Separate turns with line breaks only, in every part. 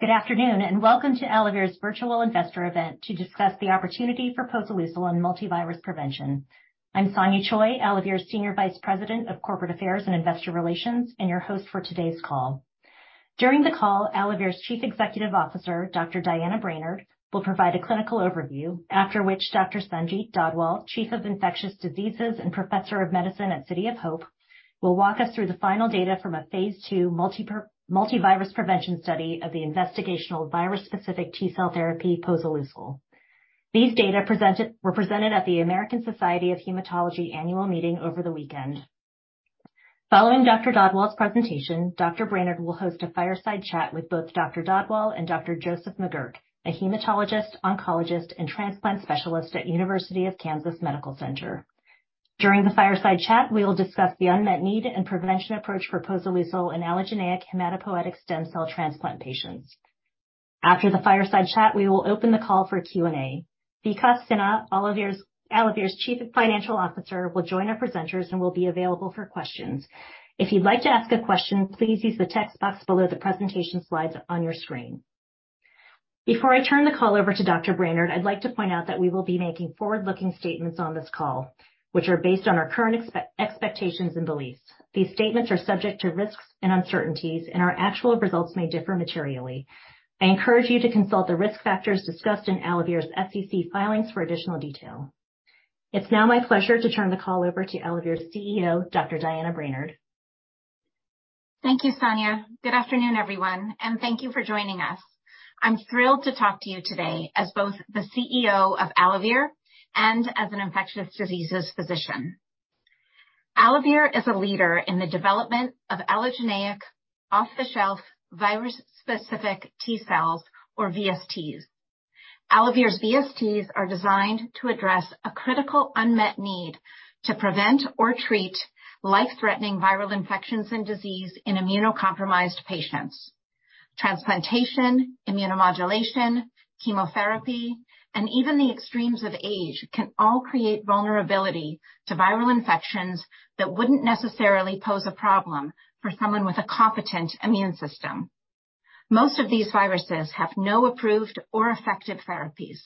Welcome to AlloVir's virtual investor event to discuss the opportunity for posoleucel in multi-virus prevention. I'm Sonia Choi, AlloVir's Senior Vice President of Corporate Affairs and Investor Relations, and your host for today's call. During the call, AlloVir's Chief Executive Officer, Dr. Diana Brainard, will provide a clinical overview. After which Dr. Sanjeet Dadwal, Chief of Infectious Diseases and Professor of Medicine at City of Hope, will walk us through the final data from a phase II multi-virus prevention study of the investigational virus specific T-cell therapy posoleucel. These data were presented at the American Society of Hematology annual meeting over the weekend. Following Dr. Dadwal's presentation, Dr. Brainard will host a fireside chat with both Dr. Dadwal and Dr. Joseph McGuirk, a hematologist, oncologist, and transplant specialist at University of Kansas Medical Center. During the fireside chat, we will discuss the unmet need and prevention approach for posoleucel in allogeneic hematopoietic stem cell transplant patients. After the fireside chat, we will open the call for Q&A. Vikas Sinha, AlloVir's Chief Financial Officer, will join our presenters and will be available for questions. If you'd like to ask a question, please use the text box below the presentation slides on your screen. Before I turn the call over to Dr. Diana Brainard, I'd like to point out that we will be making forward-looking statements on this call, which are based on our current expectations and beliefs. These statements are subject to risks and uncertainties, and our actual results may differ materially. I encourage you to consult the risk factors discussed in AlloVir's SEC filings for additional detail. It's now my pleasure to turn the call over to AlloVir's CEO, Dr. Diana Brainard.
Thank you, Sonia. Good afternoon, everyone. Thank you for joining us. I'm thrilled to talk to you today as both the CEO of AlloVir and as an infectious diseases physician. AlloVir is a leader in the development of allogeneic off-the-shelf virus-specific T-cells or VSTs. AlloVir's VSTs are designed to address a critical unmet need to prevent or treat life-threatening viral infections and disease in immunocompromised patients. Transplantation, immunomodulation, chemotherapy, and even the extremes of age can all create vulnerability to viral infections that wouldn't necessarily pose a problem for someone with a competent immune system. Most of these viruses have no approved or effective therapies.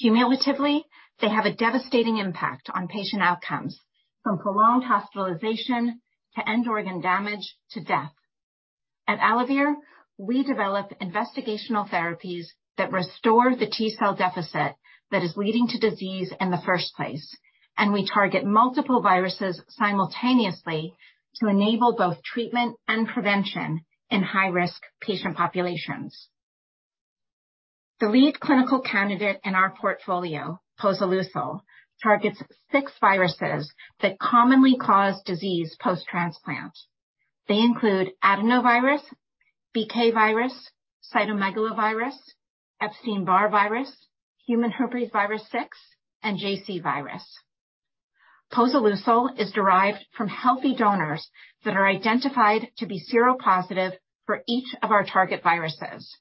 Cumulatively, they have a devastating impact on patient outcomes, from prolonged hospitalization to end organ damage to death. At AlloVir, we develop investigational therapies that restore the T-cell deficit that is leading to disease in the first place, we target multiple viruses simultaneously to enable both treatment and prevention in high-risk patient populations. The lead clinical candidate in our portfolio, posoleucel, targets six viruses that commonly cause disease post-transplant. They include adenovirus, BK virus, cytomegalovirus, Epstein-Barr virus, human herpesvirus 6, and JC virus. Posoleucel is derived from healthy donors that are identified to be seropositive for each of our target viruses.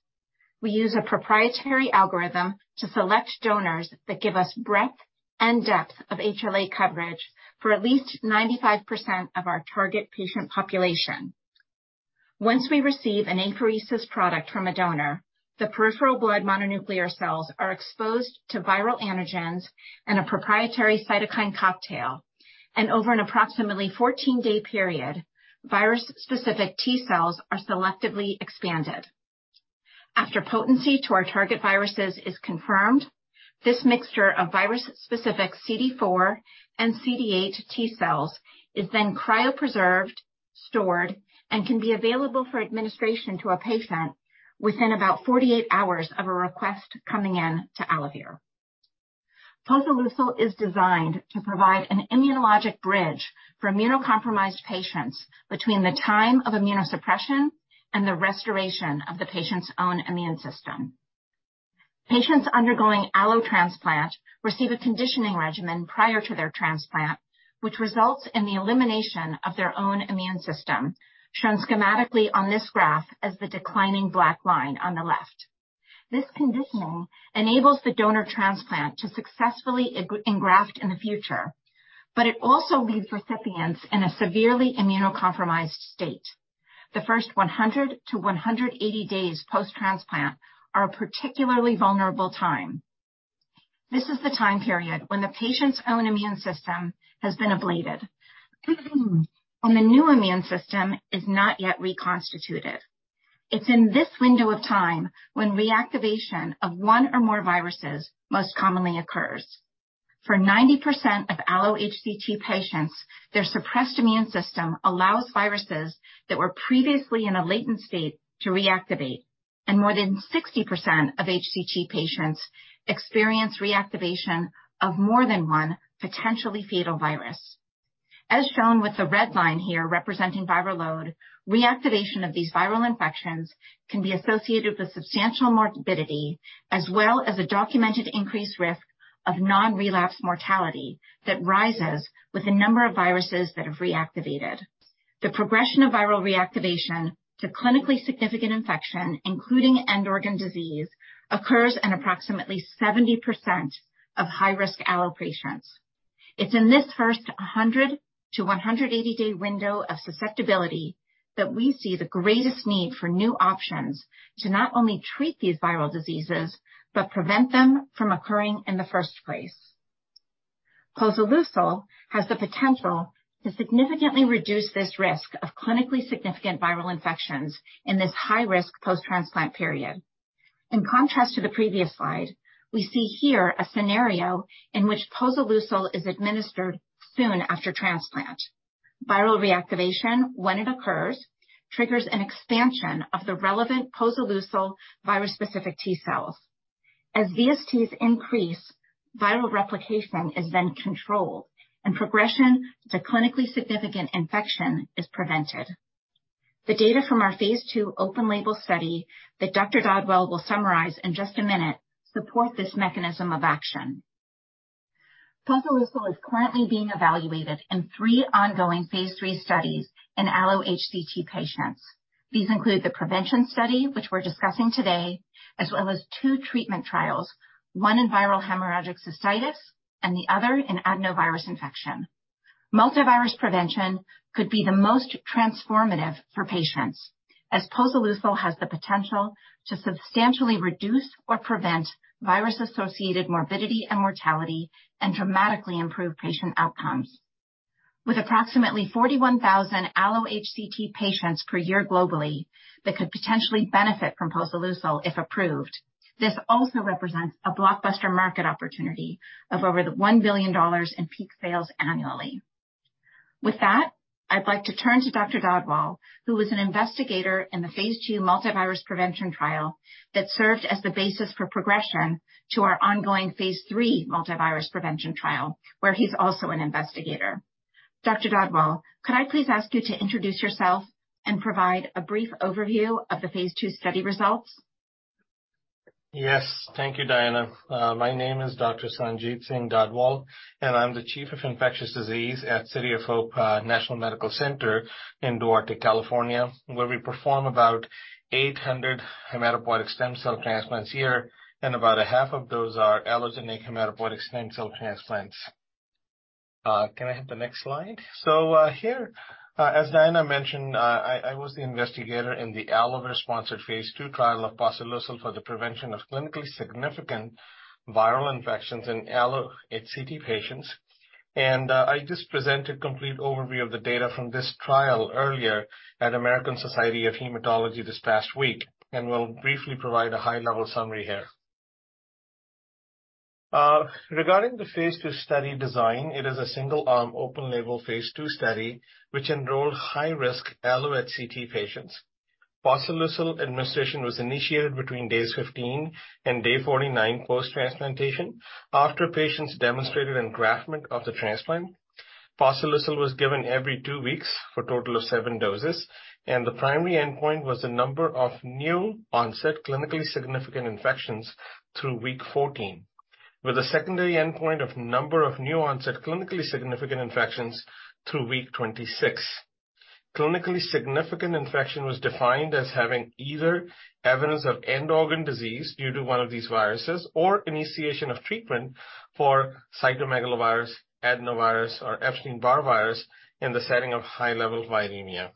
We use a proprietary algorithm to select donors that give us breadth and depth of HLA coverage for at least 95% of our target patient population. Once we receive an apheresis product from a donor, the peripheral blood mononuclear cells are exposed to viral antigens and a proprietary cytokine cocktail. Over an approximately 14-day period, virus-specific T cells are selectively expanded. After potency to our target viruses is confirmed, this mixture of virus-specific CD4 and CD8 T-cells is then cryopreserved, stored, and can be available for administration to a patient within about 48 hours of a request coming in to AlloVir. posoleucel is designed to provide an immunologic bridge for immunocompromised patients between the time of immunosuppression and the restoration of the patient's own immune system. Patients undergoing allotransplant receive a conditioning regimen prior to their transplant, which results in the elimination of their own immune system, shown schematically on this graph as the declining black line on the left. This conditioning enables the donor transplant to successfully engraft in the future, but it also leaves recipients in a severely immunocompromised state. The first 100-180 days post-transplant are a particularly vulnerable time. This is the time period when the patient's own immune system has been ablated and the new immune system is not yet reconstituted. It's in this window of time when reactivation of one or more viruses most commonly occurs. For 90% of allo-HCT patients, their suppressed immune system allows viruses that were previously in a latent state to reactivate. More than 60% of HCT patients experience reactivation of more than one potentially fatal virus. As shown with the red line here representing viral load, reactivation of these viral infections can be associated with substantial morbidity as well as a documented increased risk of non-relapse mortality that rises with the number of viruses that have reactivated. The progression of viral reactivation to clinically significant infection, including end organ disease, occurs in approximately 70% of high-risk allo patients. It's in this 1st 100-180 day window of susceptibility that we see the greatest need for new options to not only treat these viral diseases, but prevent them from occurring in the first place. Posoleucel has the potential to significantly reduce this risk of clinically significant viral infections in this high-risk post-transplant period. In contrast to the previous slide, we see here a scenario in which posoleucel is administered soon after transplant. Viral reactivation, when it occurs, triggers an expansion of the relevant posoleucel virus-specific T-cells. As VSTs increase, viral replication is then controlled, and progression to clinically significant infection is prevented. The data from our phase II open label study that Dr. Dadwal will summarize in just a minute support this mechanism of action. Posoleucel is currently being evaluated in three ongoing phase III studies in allo-HCT patients. These include the prevention study, which we're discussing today, as well as two treatment trials, one in viral hemorrhagic cystitis and the other in adenovirus infection. Multivirus prevention could be the most transformative for patients, as posoleucel has the potential to substantially reduce or prevent virus-associated morbidity and mortality and dramatically improve patient outcomes. With approximately 41,000 allo-HCT patients per year globally that could potentially benefit from posoleucel if approved, this also represents a blockbuster market opportunity of over $1 billion in peak sales annually. With that, I'd like to turn to Dr. Dadwal, who was an investigator in the phase II multivirus prevention trial that served as the basis for progression to our ongoing phase III multivirus prevention trial, where he's also an investigator. Dr. Dadwal, could I please ask you to introduce yourself and provide a brief overview of the phase II study results?
Yes. Thank you, Diana. My name is Dr. Sanjeet Singh Dadwal, and I'm the Chief of Infectious Disease at City of Hope National Medical Center in Duarte, California, where we perform about 800 hematopoietic stem cell transplants a year, and about a half of those are allogeneic hematopoietic stem cell transplants. Can I have the next slide? Here, as Diana mentioned, I was the investigator in the Allo-sponsored phase II trial of posoleucel for the prevention of clinically significant viral infections in Allo HCT patients. I just presented complete overview of the data from this trial earlier at American Society of Hematology this past week, and will briefly provide a high-level summary here. Regarding the phase II study design, it is a single-arm, open-label phase II study which enrolled high-risk Allo HCT patients. posoleucel administration was initiated between days 15 and day 49 post-transplantation after patients demonstrated engraftment of the transplant. posoleucel was given every two weeks for a total of seven doses. The primary endpoint was the number of new onset clinically significant infections through week 14, with a secondary endpoint of number of new onset clinically significant infections through week 26. Clinically significant infection was defined as having either evidence of end organ disease due to one of these viruses or initiation of treatment for cytomegalovirus, adenovirus or Epstein-Barr virus in the setting of high level viremia.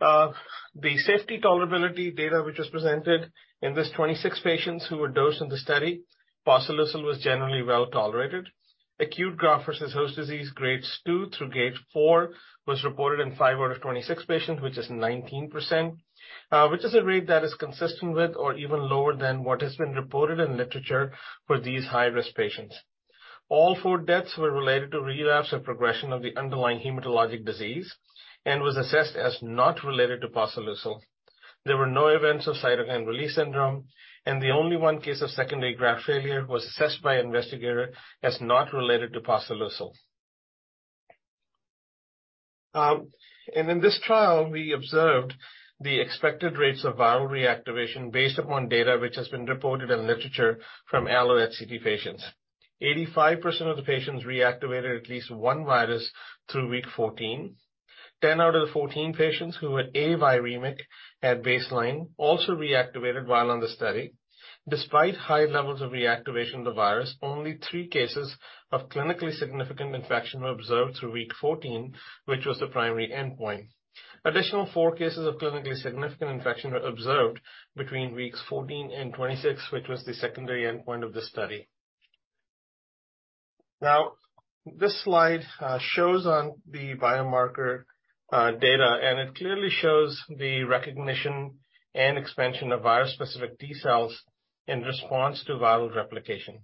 The safety tolerability data which was presented in this 26 patients who were dosed in the study, posoleucel was generally well tolerated. Acute graft-versus-host disease grades two through four was reported in 5 out of 26 patients, which is 19%, which is a rate that is consistent with or even lower than what has been reported in literature for these high-risk patients. All four deaths were related to relapse or progression of the underlying hematologic disease and was assessed as not related to posoleucel. There were no events of cytokine release syndrome. The only one case of secondary graft failure was assessed by an investigator as not related to posoleucel. In this trial, we observed the expected rates of viral reactivation based upon data which has been reported in literature from allo-HCT patients. 85% of the patients reactivated at least one virus through week 14. 10 out of the 14 patients who were aviremic at baseline also reactivated while on the study. Despite high levels of reactivation of the virus, only three cases of clinically significant infection were observed through week 14, which was the primary endpoint. Additional 4 cases of clinically significant infection were observed between weeks 14 and 26, which was the secondary endpoint of the study. Now, this slide shows on the biomarker data, and it clearly shows the recognition and expansion of virus-specific T-cells in response to viral replication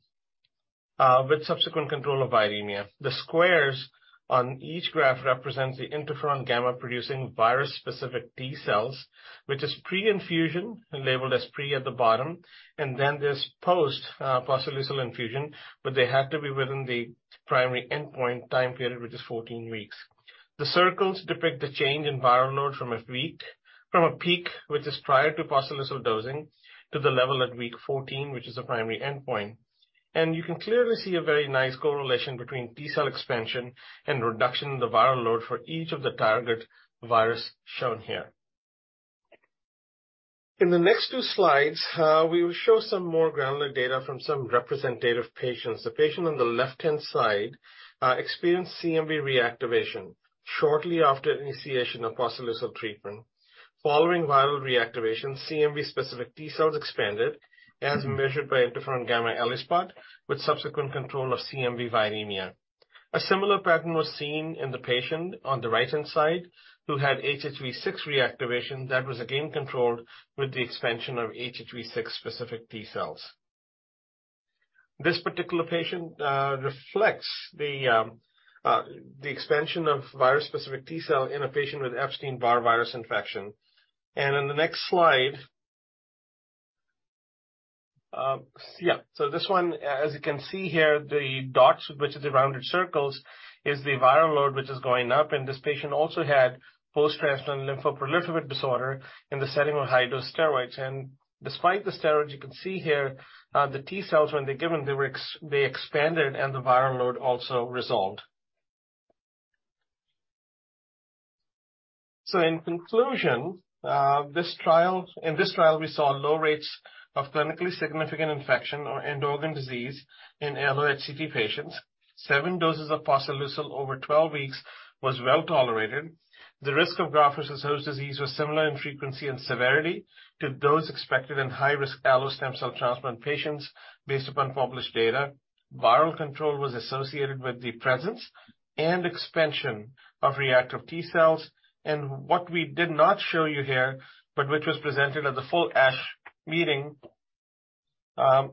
with subsequent control of viremia. The squares on each graph represents the interferon gamma producing virus-specific T-cells, which is pre-infusion and labeled as pre at the bottom, and then there's post posoleucel infusion, but they had to be within the primary endpoint time period, which is 14 weeks. The circles depict the change in viral load from a peak, which is prior to posoleucel dosing, to the level at week 14, which is the primary endpoint. You can clearly see a very nice correlation between T-cell expansion and reduction in the viral load for each of the target virus shown here. In the next 2 slides, we will show some more granular data from some representative patients. The patient on the left-hand side experienced CMV reactivation shortly after initiation of posoleucel treatment. Following viral reactivation, CMV-specific T-cells expanded as measured by interferon-gamma ELISpot with subsequent control of CMV viremia. A similar pattern was seen in the patient on the right-hand side who had HHV-6 reactivation that was again controlled with the expansion of HHV-6-specific T-cells. This particular patient reflects the expansion of virus-specific T-cells in a patient with Epstein-Barr virus infection. In the next slide, this one, as you can see here, the dots, which is the rounded circles, is the viral load which is going up and this patient also had post-transplant lymphoproliferative disorder in the setting of high-dose steroids. Despite the steroids, you can see here, the T-cells, when they're given, they expanded and the viral load also resolved. In conclusion, in this trial, we saw low rates of clinically significant infection or end-organ disease in allo-HCT patients. 7 doses of posoleucel over 12 weeks was well-tolerated. The risk of graft-versus-host disease was similar in frequency and severity to those expected in high-risk allo stem cell transplant patients based upon published data. Viral control was associated with the presence and expansion of reactive T-cells. What we did not show you here, but which was presented at the full ASH meeting, was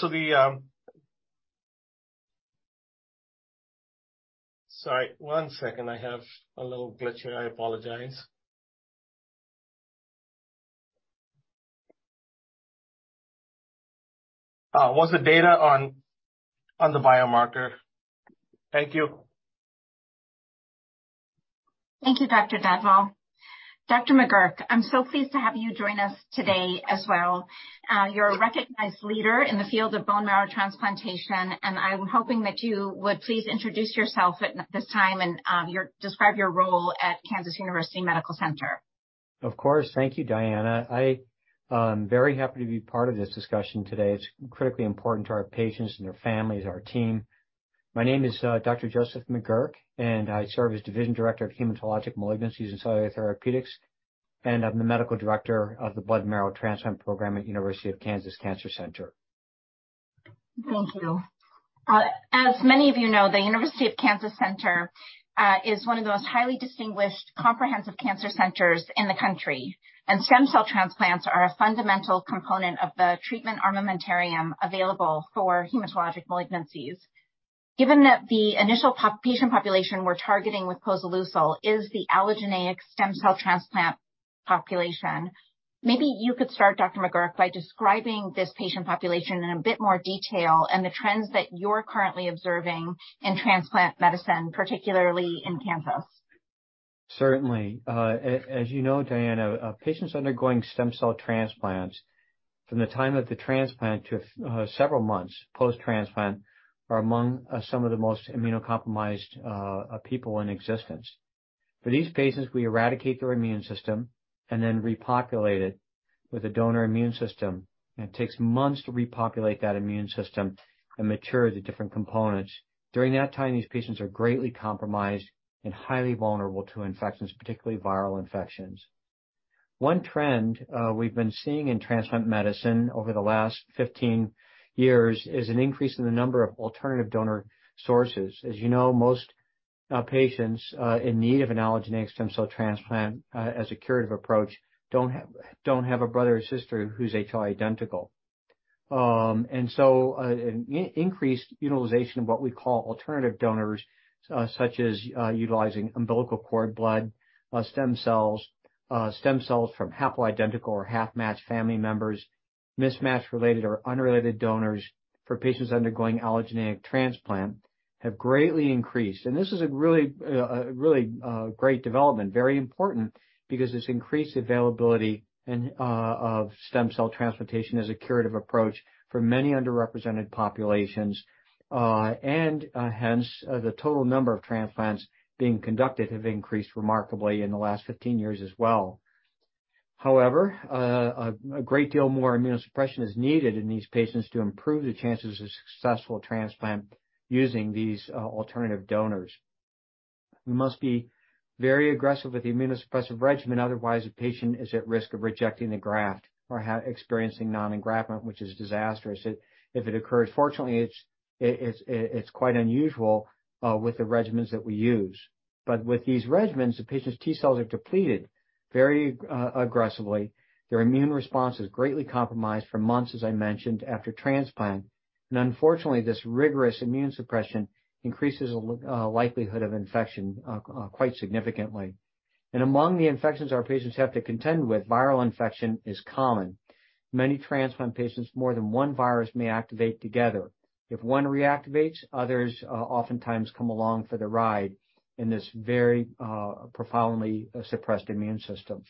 the data on the biomarker. Sorry, one second. I have a little glitch here. I apologize. Thank you.
Thank you, Dr. Dadwal. Dr. McGuirk, I'm so pleased to have you join us today as well. You're a recognized leader in the field of bone marrow transplantation, and I'm hoping that you would please introduce yourself at this time and describe your role at University of Kansas Medical Center.
Of course. Thank you, Diana. I very happy to be part of this discussion today. It's critically important to our patients and their families, our team. My name is Dr. Joseph McGuirk, and I serve as Division Director of Hematologic Malignancies and Cellular Therapeutics, and I'm the Medical Director of the Blood and Marrow Transplant Program at University of Kansas Cancer Center.
Thank you. As many of you know, The University of Kansas Cancer Center is one of the most highly distinguished comprehensive cancer centers in the country. Stem cell transplants are a fundamental component of the treatment armamentarium available for hematologic malignancies. Given that the initial patient population we're targeting with posoleucel is the allogeneic stem cell transplant population, maybe you could start, Dr. McGuirk, by describing this patient population in a bit more detail and the trends that you're currently observing in transplant medicine, particularly in Kansas.
Certainly. As you know, Diana, patients undergoing stem cell transplants from the time of the transplant to several months post-transplant are among some of the most immunocompromised people in existence. For these patients, we eradicate their immune system and then repopulate it with a donor immune system. It takes months to repopulate that immune system and mature the different components. During that time, these patients are greatly compromised and highly vulnerable to infections, particularly viral infections. One trend we've been seeing in transplant medicine over the last 15 years is an increase in the number of alternative donor sources. As you know, most patients in need of an allogeneic stem cell transplant as a curative approach, don't have a brother or sister who's HLA identical. Increased utilization of what we call alternative donors, such as, utilizing umbilical cord blood, stem cells, stem cells from haploidentical or half-matched family members, mismatched related or unrelated donors for patients undergoing allogeneic transplant have greatly increased. This is a really, a really, great development, very important because it's increased availability and of stem cell transplantation as a curative approach for many underrepresented populations. Hence, the total number of transplants being conducted have increased remarkably in the last 15 years as well. However, a great deal more immunosuppression is needed in these patients to improve the chances of successful transplant using these alternative donors. We must be very aggressive with the immunosuppressive regimen, otherwise, the patient is at risk of rejecting the graft or experiencing non-engraftment, which is disastrous if it occurs. Fortunately, it's, it's, it's quite unusual with the regimens that we use. With these regimens, the patient's T-cells are depleted very aggressively. Their immune response is greatly compromised for months, as I mentioned, after transplant. Unfortunately, this rigorous immune suppression increases the likelihood of infection quite significantly. Among the infections our patients have to contend with, viral infection is common. Many transplant patients, more than one virus may activate together. If one reactivates, others oftentimes come along for the ride in this very profoundly suppressed immune systems.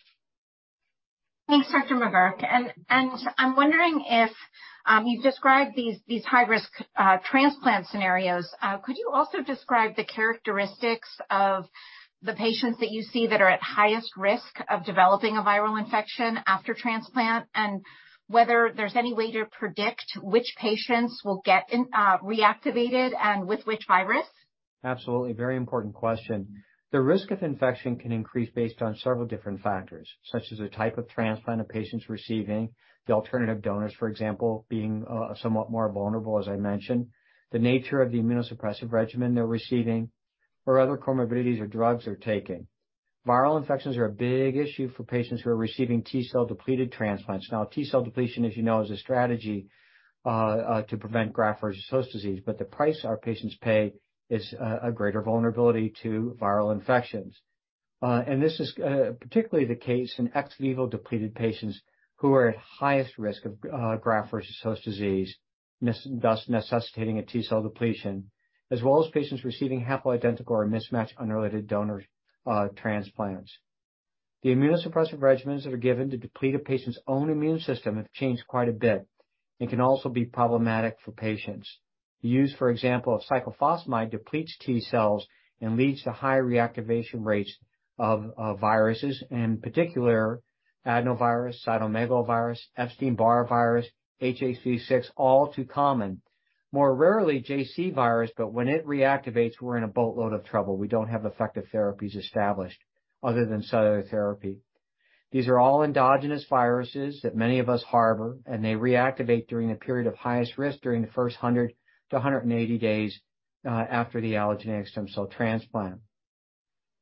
Thanks, Dr. McGuirk. I'm wondering if you've described these high-risk transplant scenarios. Could you also describe the characteristics of the patients that you see that are at highest risk of developing a viral infection after transplant and whether there's any way to predict which patients will get reactivated and with which virus?
Absolutely. Very important question. The risk of infection can increase based on several different factors, such as the type of transplant a patient's receiving. The alternative donors, for example, being somewhat more vulnerable, as I mentioned, the nature of the immunosuppressive regimen they're receiving or other comorbidities or drugs they're taking. Viral infections are a big issue for patients who are receiving T-cell depleted transplants. T-cell depletion, as you know, is a strategy to prevent graft versus host disease, but the price our patients pay is a greater vulnerability to viral infections. This is particularly the case in ex vivo depleted patients who are at highest risk of graft versus host disease, thus necessitating a T-cell depletion, as well as patients receiving haploidentical or mismatched unrelated donor transplants. The immunosuppressive regimens that are given to deplete a patient's own immune system have changed quite a bit and can also be problematic for patients. The use, for example, of cyclophosphamide depletes T-cells and leads to high reactivation rates of viruses, in particular adenovirus, cytomegalovirus, Epstein-Barr virus, HHV6, all too common. More rarely JC virus, but when it reactivates, we're in a boatload of trouble. We don't have effective therapies established other than cellular therapy. These are all endogenous viruses that many of us harbor, and they reactivate during the period of highest risk during the first 100-180 days after the allogeneic stem cell transplant.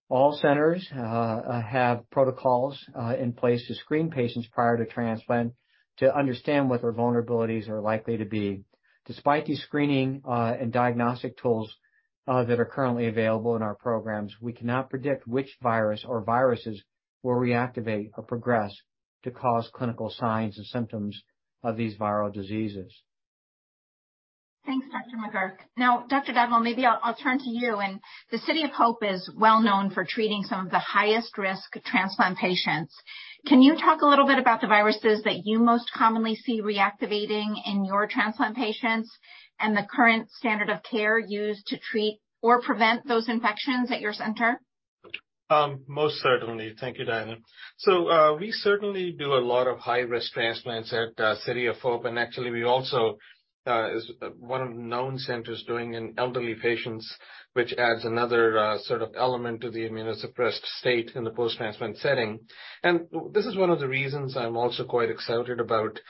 All centers have protocols in place to screen patients prior to transplant to understand what their vulnerabilities are likely to be. Despite these screening and diagnostic tools that are currently available in our programs, we cannot predict which virus or viruses will reactivate or progress to cause clinical signs and symptoms of these viral diseases.
Thanks, Dr. McGuirk. Now, Dr. Dadwal, maybe I'll turn to you. The City of Hope is well known for treating some of the highest risk transplant patients. Can you talk a little bit about the viruses that you most commonly see reactivating in your transplant patients and the current standard of care used to treat or prevent those infections at your center?
Most certainly. Thank you, Diana. We certainly do a lot of high-risk transplants at City of Hope. Actually we also is one of the known centers doing in elderly patients, which adds another sort of element to the immunosuppressed state in the post-transplant setting. This is one of the reasons I'm also quite excited about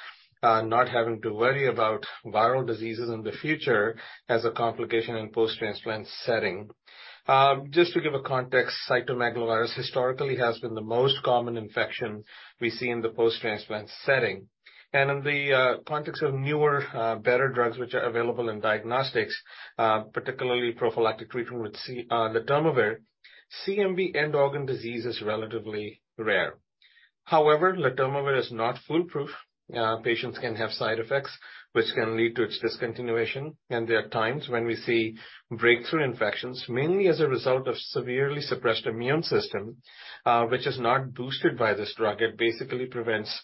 not having to worry about viral diseases in the future as a complication in post-transplant setting. Just to give a context, cytomegalovirus historically has been the most common infection we see in the post-transplant setting. In the context of newer, better drugs which are available in diagnostics, particularly prophylactic treatment with letermovir, CMV end organ disease is relatively rare. However, letermovir is not foolproof. Patients can have side effects which can lead to its discontinuation. There are times when we see breakthrough infections, mainly as a result of severely suppressed immune system, which is not boosted by this drug. It basically prevents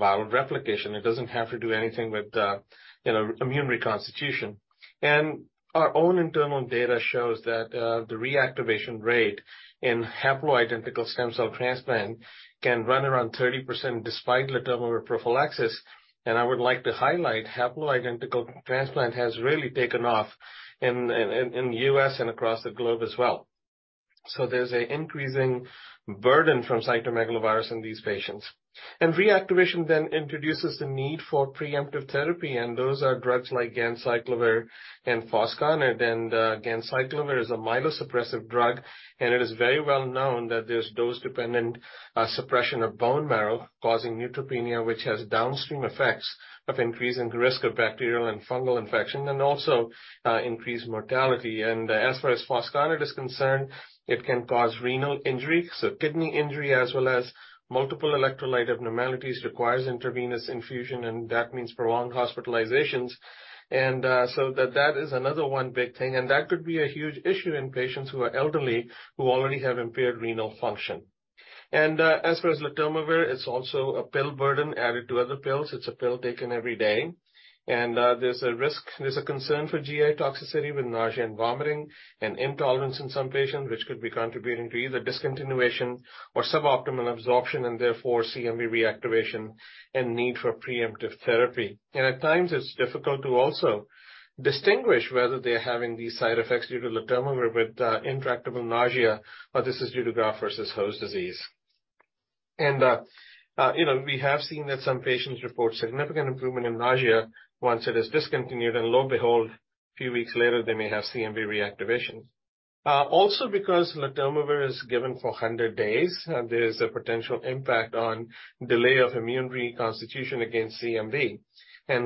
viral replication. It doesn't have to do anything with the, you know, immune reconstitution. Our own internal data shows that the reactivation rate in haploidentical stem cell transplant can run around 30% despite letermovir prophylaxis. I would like to highlight, haploidentical transplant has really taken off in the U.S. and across the globe as well. There's a increasing burden from cytomegalovirus in these patients. Reactivation then introduces the need for preemptive therapy. Those are drugs like ganciclovir and foscarnet. Ganciclovir is a myelo-suppressive drug, and it is very well known that there's dose-dependent suppression of bone marrow causing neutropenia, which has downstream effects of increasing risk of bacterial and fungal infection and also increased mortality. As far as foscarnet is concerned, it can cause renal injury, so kidney injury, as well as multiple electrolyte abnormalities, requires intravenous infusion, and that means prolonged hospitalizations. That is another one big thing. That could be a huge issue in patients who are elderly who already have impaired renal function. As far as letermovir, it's also a pill burden added to other pills. It's a pill taken every day. There's a concern for GI toxicity with nausea and vomiting and intolerance in some patients, which could be contributing to either discontinuation or suboptimal absorption and therefore CMV reactivation and need for preemptive therapy. At times it's difficult to also distinguish whether they're having these side effects due to letermovir with intractable nausea, or this is due to graft-versus-host disease. You know, we have seen that some patients report significant improvement in nausea once it is discontinued, and lo and behold, few weeks later they may have CMV reactivation. Also because letermovir is given for 100 days, there's a potential impact on delay of immune reconstitution against CMV.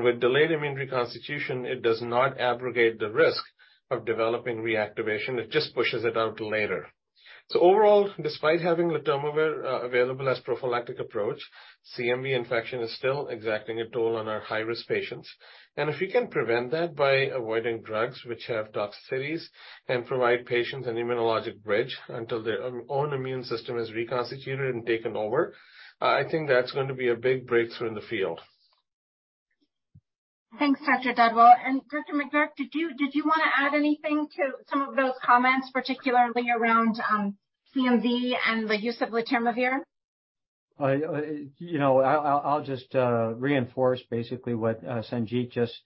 With delayed immune reconstitution, it does not abrogate the risk of developing reactivation. It just pushes it out later. Overall, despite having letermovir available as prophylactic approach, CMV infection is still exacting a toll on our high-risk patients. If we can prevent that by avoiding drugs which have toxicities and provide patients an immunologic bridge until their own immune system is reconstituted and taken over, I think that's going to be a big breakthrough in the field.
Thanks, Dr. Dadwal. Dr. McGuirk, did you wanna add anything to some of those comments, particularly around CMV and the use of letermovir?
I, you know, I'll just reinforce basically what Sanjeet just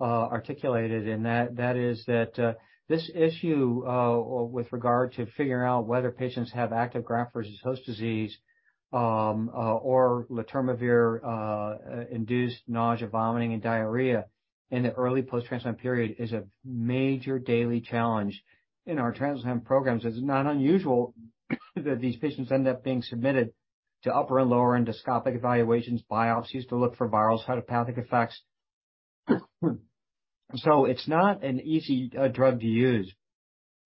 articulated, and that is that this issue with regard to figuring out whether patients have active graft-versus-host disease or letermovir induced nausea, vomiting, and diarrhea in the early post-transplant period is a major daily challenge. In our transplant programs, it's not unusual that these patients end up being submitted to upper and lower endoscopic evaluations, biopsies to look for viral cytopathic effects. It's not an easy drug to use.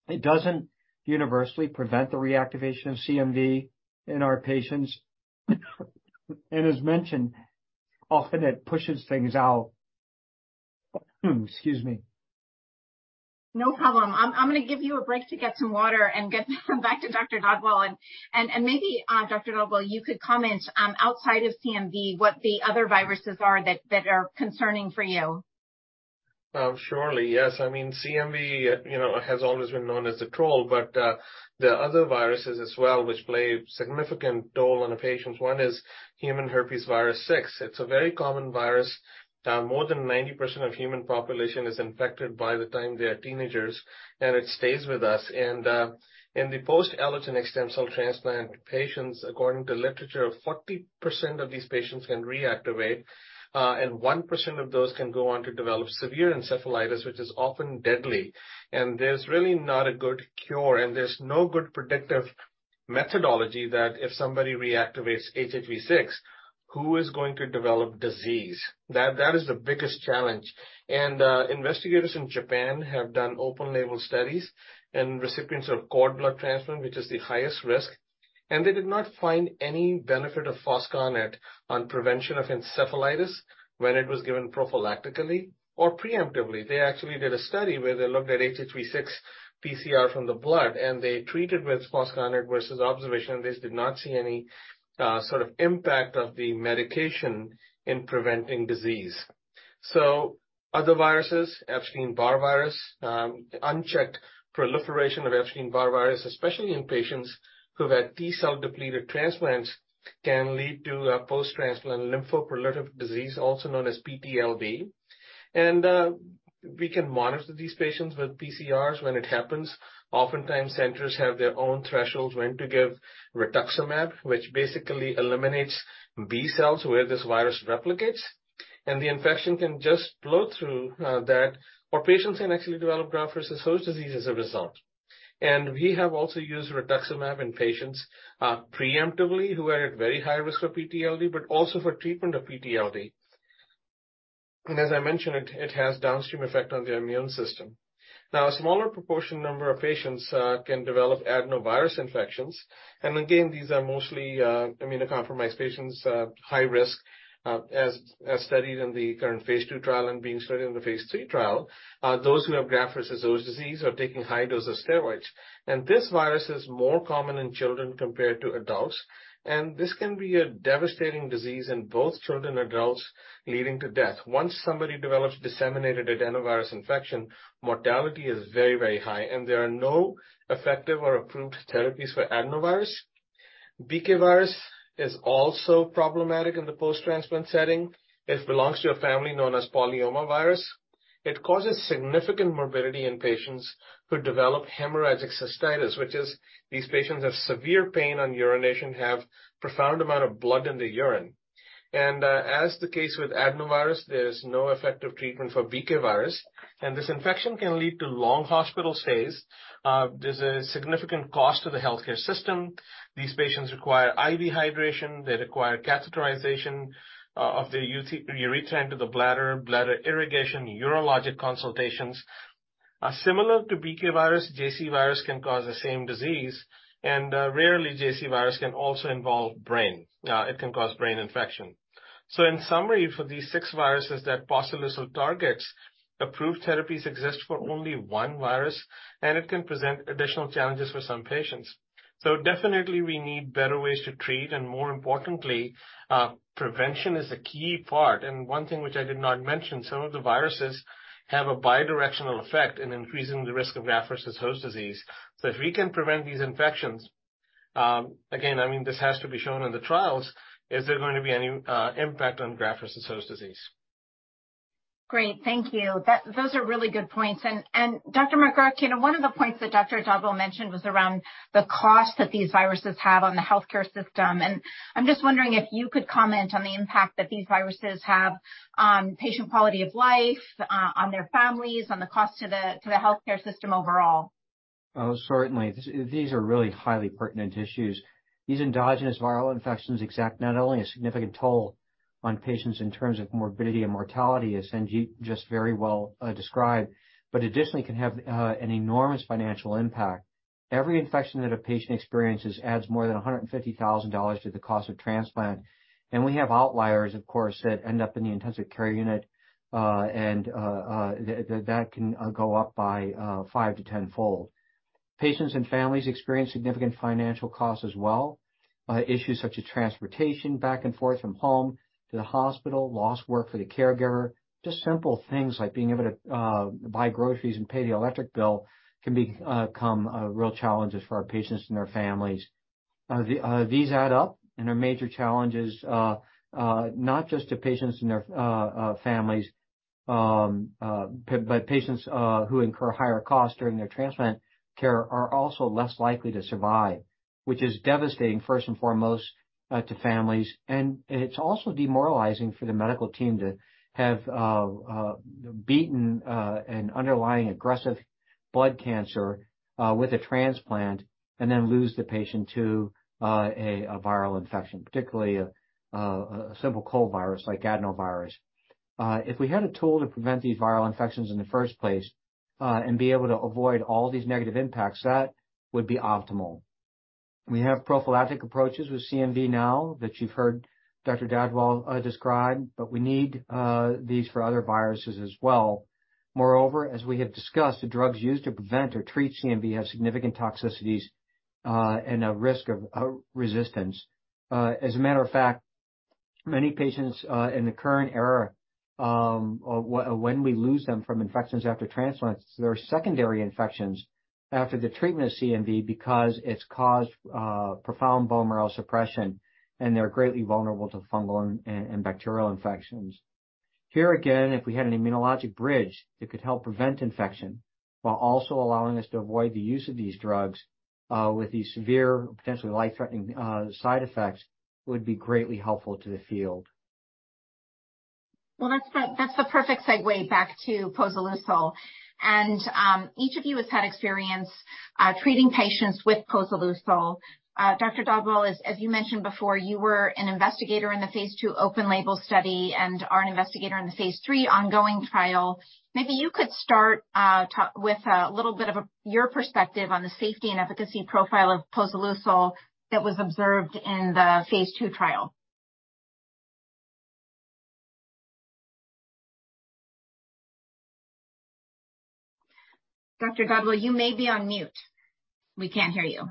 It doesn't universally prevent the reactivation of CMV in our patients. As mentioned, often it pushes things out... Excuse me.
No problem. I'm gonna give you a break to get some water and get back to Dr. Dadwal. Maybe Dr. Dadwal, you could comment, outside of CMV, what the other viruses are that are concerning for you.
Surely, yes. I mean, CMV, you know, has always been known as the troll. There are other viruses as well which play a significant toll on the patients. One is human herpesvirus 6. It's a very common virus. More than 90% of human population is infected by the time they are teenagers, and it stays with us. In the post allogeneic stem cell transplant patients, according to literature, 40% of these patients can reactivate, and 1% of those can go on to develop severe encephalitis, which is often deadly. There's really not a good cure, and there's no good predictive methodology that if somebody reactivates HHV6, who is going to develop disease. That is the biggest challenge. Investigators in Japan have done open label studies in recipients of cord blood transplant, which is the highest risk. They did not find any benefit of foscarnet on prevention of encephalitis when it was given prophylactically or preemptively. They actually did a study where they looked at HHV6 PCR from the blood. They treated with foscarnet versus observation. They did not see any sort of impact of the medication in preventing disease. Other viruses, Epstein-Barr virus, unchecked proliferation of Epstein-Barr virus, especially in patients who've had T-cell depleted transplants, can lead to post-transplant lymphoproliferative disease, also known as PTLD. We can monitor these patients with PCRs when it happens. Oftentimes, centers have their own thresholds when to give rituximab, which basically eliminates B cells where this virus replicates, and the infection can just blow through that or patients can actually develop graft-versus-host disease as a result. We have also used rituximab in patients preemptively who are at very high risk for PTLD, but also for treatment of PTLD. As I mentioned, it has downstream effect on the immune system. A smaller proportion number of patients can develop adenovirus infections. Again, these are mostly immunocompromised patients, high risk, as studied in the current phase II trial and being studied in the phase III trial. Those who have graft-versus-host disease are taking high dose of steroids. This virus is more common in children compared to adults. This can be a devastating disease in both children and adults, leading to death. Once somebody develops disseminated adenovirus infection, mortality is very, very high, and there are no effective or approved therapies for adenovirus. BK virus is also problematic in the post-transplant setting. It belongs to a family known as polyomavirus. It causes significant morbidity in patients who develop hemorrhagic cystitis, which is these patients have severe pain on urination, have profound amount of blood in the urine. As the case with adenovirus, there's no effective treatment for BK virus, and this infection can lead to long hospital stays. There's a significant cost to the healthcare system. These patients require IV hydration. They require catheterization of the urethra into the bladder irrigation, urologic consultations. Similar to BK virus, JC virus can cause the same disease, and rarely, JC virus can also involve brain. It can cause brain infection. In summary, for these six viruses that posoleucel targets, approved therapies exist for only one virus, and it can present additional challenges for some patients. Definitely we need better ways to treat, and more importantly, prevention is a key part. One thing which I did not mention, some of the viruses have a bi-directional effect in increasing the risk of graft-versus-host disease. If we can prevent these infections, again, I mean, this has to be shown in the trials, is there going to be any impact on graft-versus-host disease?
Great. Thank you. Those are really good points. Dr. McGuirk, one of the points that Dr. Dadwal mentioned was around the cost that these viruses have on the healthcare system, and I'm just wondering if you could comment on the impact that these viruses have on patient quality of life, on their families, on the cost to the healthcare system overall.
Oh, certainly. These are really highly pertinent issues. These endogenous viral infections exact not only a significant toll on patients in terms of morbidity and mortality, as Sanjeet just very well described, but additionally can have an enormous financial impact. Every infection that a patient experiences adds more than $150,000 to the cost of transplant. We have outliers, of course, that end up in the intensive care unit, and that can go up by 5 to 10-fold. Patients and families experience significant financial costs as well. Issues such as transportation back and forth from home to the hospital, lost work for the caregiver. Just simple things like being able to buy groceries and pay the electric bill can become real challenges for our patients and their families. The these add up and are major challenges not just to patients and their families, but patients who incur higher costs during their transplant care are also less likely to survive, which is devastating, first and foremost, to families. It's also demoralizing for the medical team to have beaten an underlying aggressive blood cancer with a transplant and then lose the patient to a viral infection, particularly a simple cold virus like adenovirus. If we had a tool to prevent these viral infections in the first place and be able to avoid all these negative impacts, that would be optimal. We have prophylactic approaches with CMV now that you've heard Dr. Dadwal describe, but we need these for other viruses as well. As we have discussed, the drugs used to prevent or treat CMV have significant toxicities, and a risk of resistance. As a matter of fact, many patients in the current era, when we lose them from infections after transplants, there are secondary infections after the treatment of CMV because it's caused profound bone marrow suppression, and they're greatly vulnerable to fungal and bacterial infections. If we had an immunologic bridge that could help prevent infection while also allowing us to avoid the use of these drugs, with these severe, potentially life-threatening, side effects would be greatly helpful to the field.
Well, that's the perfect segue back to posoleucel. Each of you has had experience treating patients with posoleucel. Dr. Dadwal, as you mentioned before, you were an investigator in the phase II open label study and are an investigator in the phase III ongoing trial. Maybe you could start with a little bit of your perspective on the safety and efficacy profile of posoleucel that was observed in the phase II trial. Dr. Dadwal, you may be on mute. We can't hear you.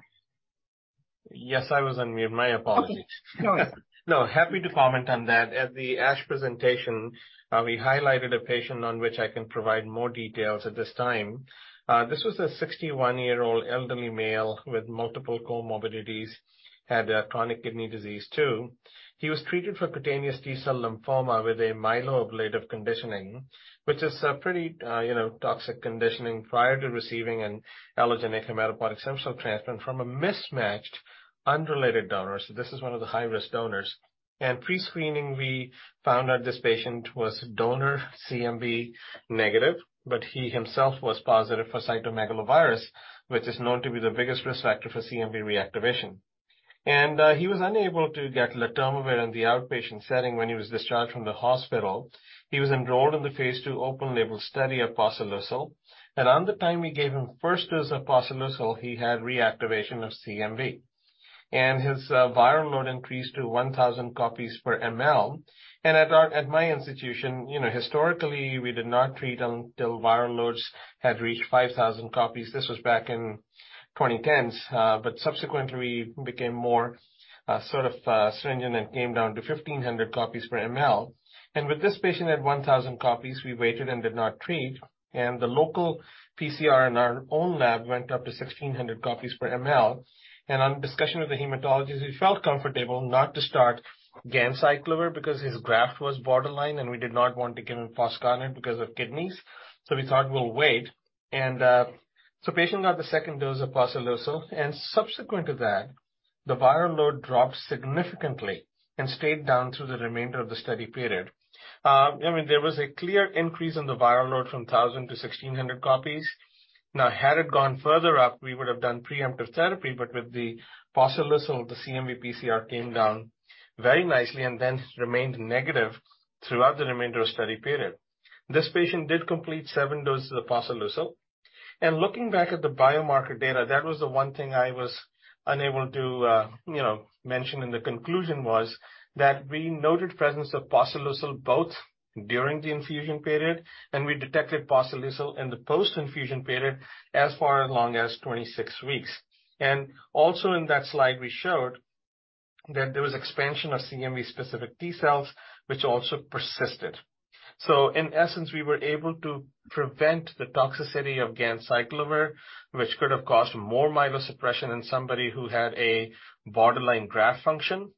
Yes, I was on mute. My apologies.
Okay.
No, happy to comment on that. At the ASH presentation, we highlighted a patient on which I can provide more details at this time. This was a 61-year-old elderly male with multiple comorbidities, had chronic kidney disease too. He was treated for cutaneous T-cell lymphoma with a myeloablative conditioning, which is a pretty, you know, toxic conditioning prior to receiving an allogeneic hematopoietic stem cell transplant from a mismatched unrelated donor. This is one of the high-risk donors. Pre-screening, we found out this patient was donor CMV negative, but he himself was positive for cytomegalovirus, which is known to be the biggest risk factor for CMV reactivation. He was unable to get letermovir in the outpatient setting when he was discharged from the hospital. He was enrolled in the phase II open-label study of posoleucel, and on the time we gave him first dose of posoleucel, he had reactivation of CMV, and his viral load increased to 1,000 copies per mL. At my institution, you know, historically, we did not treat until viral loads had reached 5,000 copies. This was back in 2010s. Subsequently became more, sort of, stringent and came down to 1,500 copies per mL. With this patient at 1,000 copies, we waited and did not treat. The local PCR in our own lab went up to 1,600 copies per mL. On discussion with the hematologist, we felt comfortable not to start ganciclovir because his graft was borderline, and we did not want to give him foscarnet because of kidneys, so we thought we'll wait. Patient got the second dose of posoleucel, and subsequent to that, the viral load dropped significantly and stayed down through the remainder of the study period. I mean, there was a clear increase in the viral load from 1,000 to 1,600 copies. Had it gone further up, we would have done preemptive therapy, but with the posoleucel, the CMV PCR came down very nicely and then remained negative throughout the remainder of study period. This patient did complete 7 doses of posoleucel. Looking back at the biomarker data, that was the one thing I was unable to, you know, mention in the conclusion was that we noted presence of posoleucel both during the infusion period, and we detected posoleucel in the post-infusion period as far as long as 26 weeks. Also in that slide, we showed that there was expansion of CMV specific T-cells which also persisted. In essence, we were able to prevent the toxicity of ganciclovir, which could have caused more myelosuppression in somebody who had a borderline graft function,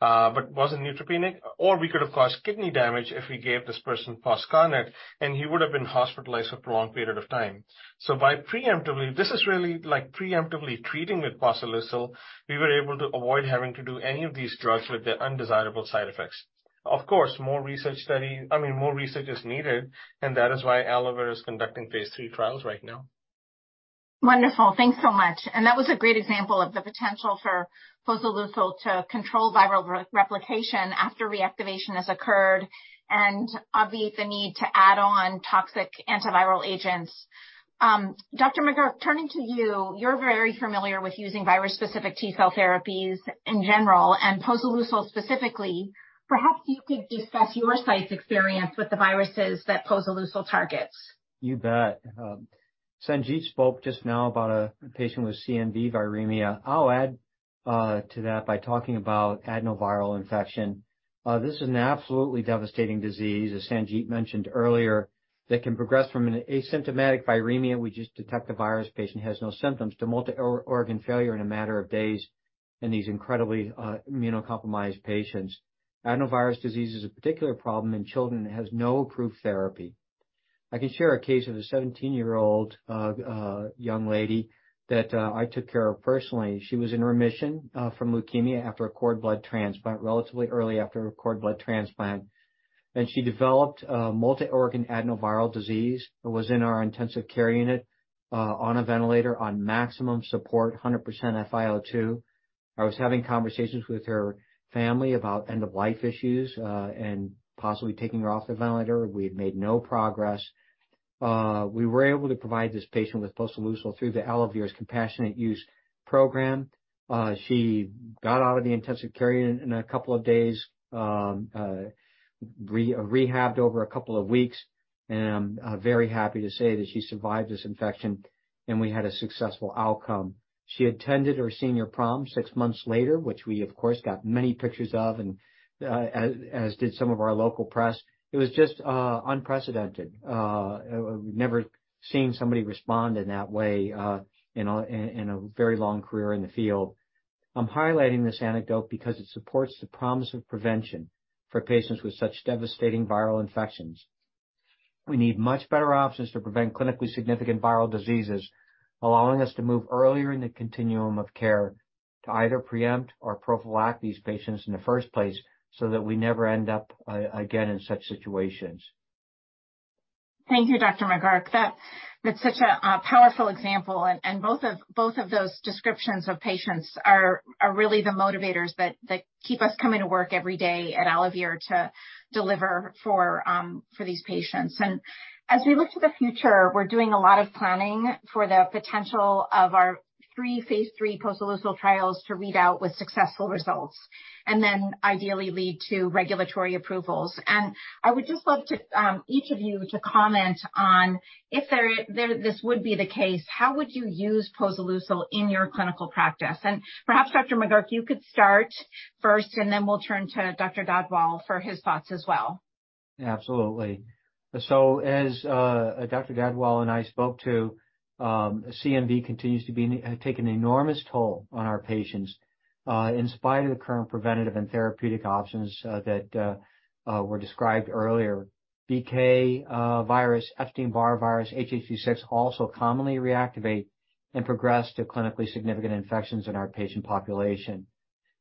but wasn't neutropenic, or we could have caused kidney damage if we gave this person foscarnet, and he would have been hospitalized for a prolonged period of time. By preemptively this is really like preemptively treating with posoleucel, we were able to avoid having to do any of these drugs with their undesirable side effects. Of course, more research, I mean, more research is needed, and that is why AlloVir is conducting phase III trials right now.
Wonderful. Thanks so much. That was a great example of the potential for posoleucel to control viral re-replication after reactivation has occurred and obviate the need to add on toxic antiviral agents. Dr. McGuirk, turning to you're very familiar with using virus-specific T-cell therapies in general and posoleucel specifically. Perhaps you could discuss your site's experience with the viruses that posoleucel targets.
You bet. Sanjeet spoke just now about a patient with CMV viremia. I'll add to that by talking about adenoviral infection. This is an absolutely devastating disease, as Sanjeet mentioned earlier, that can progress from an asymptomatic viremia, which is detect a virus, patient has no symptoms, to multi-or-organ failure in a matter of days in these incredibly immunocompromised patients. Adenovirus disease is a particular problem in children, it has no approved therapy. I can share a case with a 17-year-old young lady that I took care of personally. She was in remission from leukemia after a cord blood transplant, relatively early after a cord blood transplant. She developed a multi-organ adenoviral disease and was in our intensive care unit on a ventilator on maximum support, 100% FiO2. I was having conversations with her family about end of life issues, and possibly taking her off the ventilator. We had made no progress. We were able to provide this patient with posoleucel through the AlloVir's compassionate use program. She got out of the intensive care unit in a couple of days, rehabbed over a couple of weeks. I'm very happy to say that she survived this infection and we had a successful outcome. She attended her senior prom six months later, which we of course, got many pictures of, as did some of our local press. It was just unprecedented. We've never seen somebody respond in that way, in a very long career in the field. I'm highlighting this anecdote because it supports the promise of prevention for patients with such devastating viral infections. We need much better options to prevent clinically significant viral diseases, allowing us to move earlier in the continuum of care to either preempt or prophylact these patients in the first place, so that we never end up again in such situations.
Thank you, Dr. McGuirk. That's such a powerful example. Both of those descriptions of patients are really the motivators that keep us coming to work every day at AlloVir to deliver for these patients. As we look to the future, we're doing a lot of planning for the potential of our three phase III posoleucel trials to read out with successful results, ideally lead to regulatory approvals. I would just love each of you to comment on if this would be the case, how would you use posoleucel in your clinical practice? Perhaps Dr. McGuirk, you could start first, we'll turn to Dr. Dadwal for his thoughts as well.
Absolutely. As Dr. Dadwal and I spoke to, CMV continues to be, take an enormous toll on our patients, in spite of the current preventative and therapeutic options that were described earlier. BK virus, Epstein-Barr virus, HHV6 also commonly reactivate and progress to clinically significant infections in our patient population.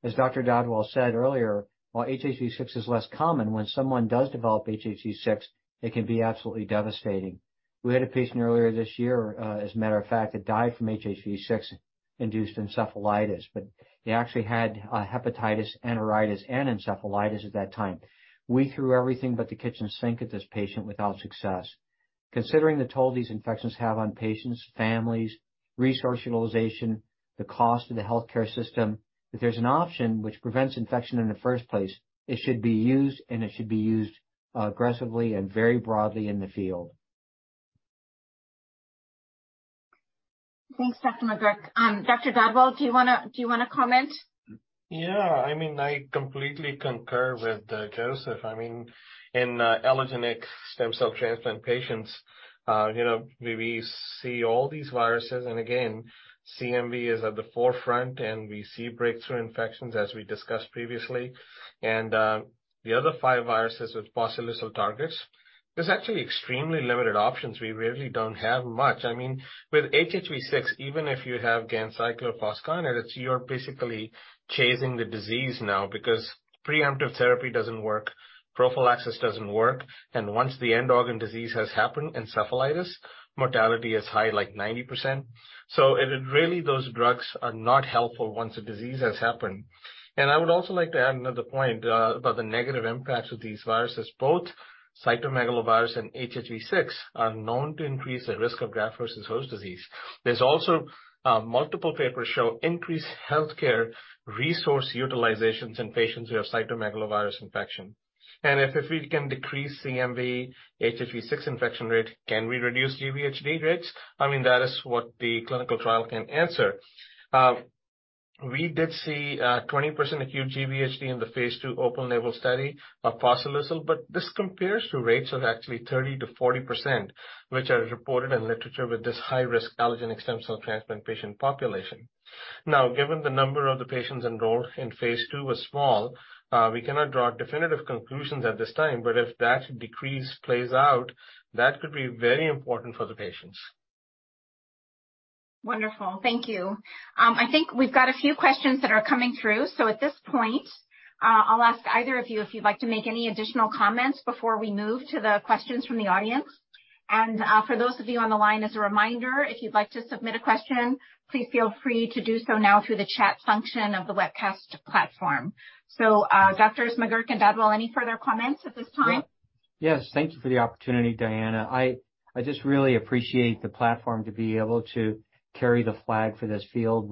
As Dr. Dadwal said earlier, while HHV6 is less common, when someone does develop HHV6, it can be absolutely devastating. We had a patient earlier this year, as a matter of fact, that died from HHV6 induced encephalitis, but he actually had hepatitis, enteritis, and encephalitis at that time. We threw everything but the kitchen sink at this patient without success. Considering the toll these infections have on patients, families, resource utilization, the cost of the healthcare system, if there's an option which prevents infection in the first place, it should be used aggressively and very broadly in the field.
Thanks, Dr. McGuirk. Dr. Dadwal, do you wanna, do you wanna comment?
Yeah. I mean, I completely concur with Joseph. I mean, in allogeneic stem cell transplant patients, you know, we see all these viruses, again, CMV is at the forefront, we see breakthrough infections as we discussed previously. The other five viruses with posoleucel targets, there's actually extremely limited options. We really don't have much. I mean, with HHV6, even if you have ganciclovir foscarnet, you're basically chasing the disease now because preemptive therapy doesn't work, prophylaxis doesn't work. Once the end organ disease has happened, encephalitis, mortality is high, like 90%. It would really those drugs are not helpful once the disease has happened. I would also like to add another point about the negative impacts of these viruses. Both cytomegalovirus and HHV6 are known to increase the risk of graft-versus-host disease. There's also multiple papers show increased healthcare resource utilizations in patients who have cytomegalovirus infection. If we can decrease CMV, HHV6 infection rate, can we reduce GvHD rates? I mean, that is what the clinical trial can answer. We did see 20% acute GvHD in the phase II open label study of posoleucel, but this compares to rates of actually 30%-40%, which are reported in literature with this high-risk allogeneic stem cell transplant patient population. Given the number of the patients enrolled in phase II was small, we cannot draw definitive conclusions at this time. If that decrease plays out, that could be very important for the patients.
Wonderful. Thank you. I think we've got a few questions that are coming through. At this point, I'll ask either of you if you'd like to make any additional comments before we move to the questions from the audience. For those of you on the line, as a reminder, if you'd like to submit a question, please feel free to do so now through the chat function of the webcast platform. Doctors McGuirk and Dadwal, any further comments at this time?
Yes. Thank you for the opportunity, Diana. I just really appreciate the platform to be able to carry the flag for this field.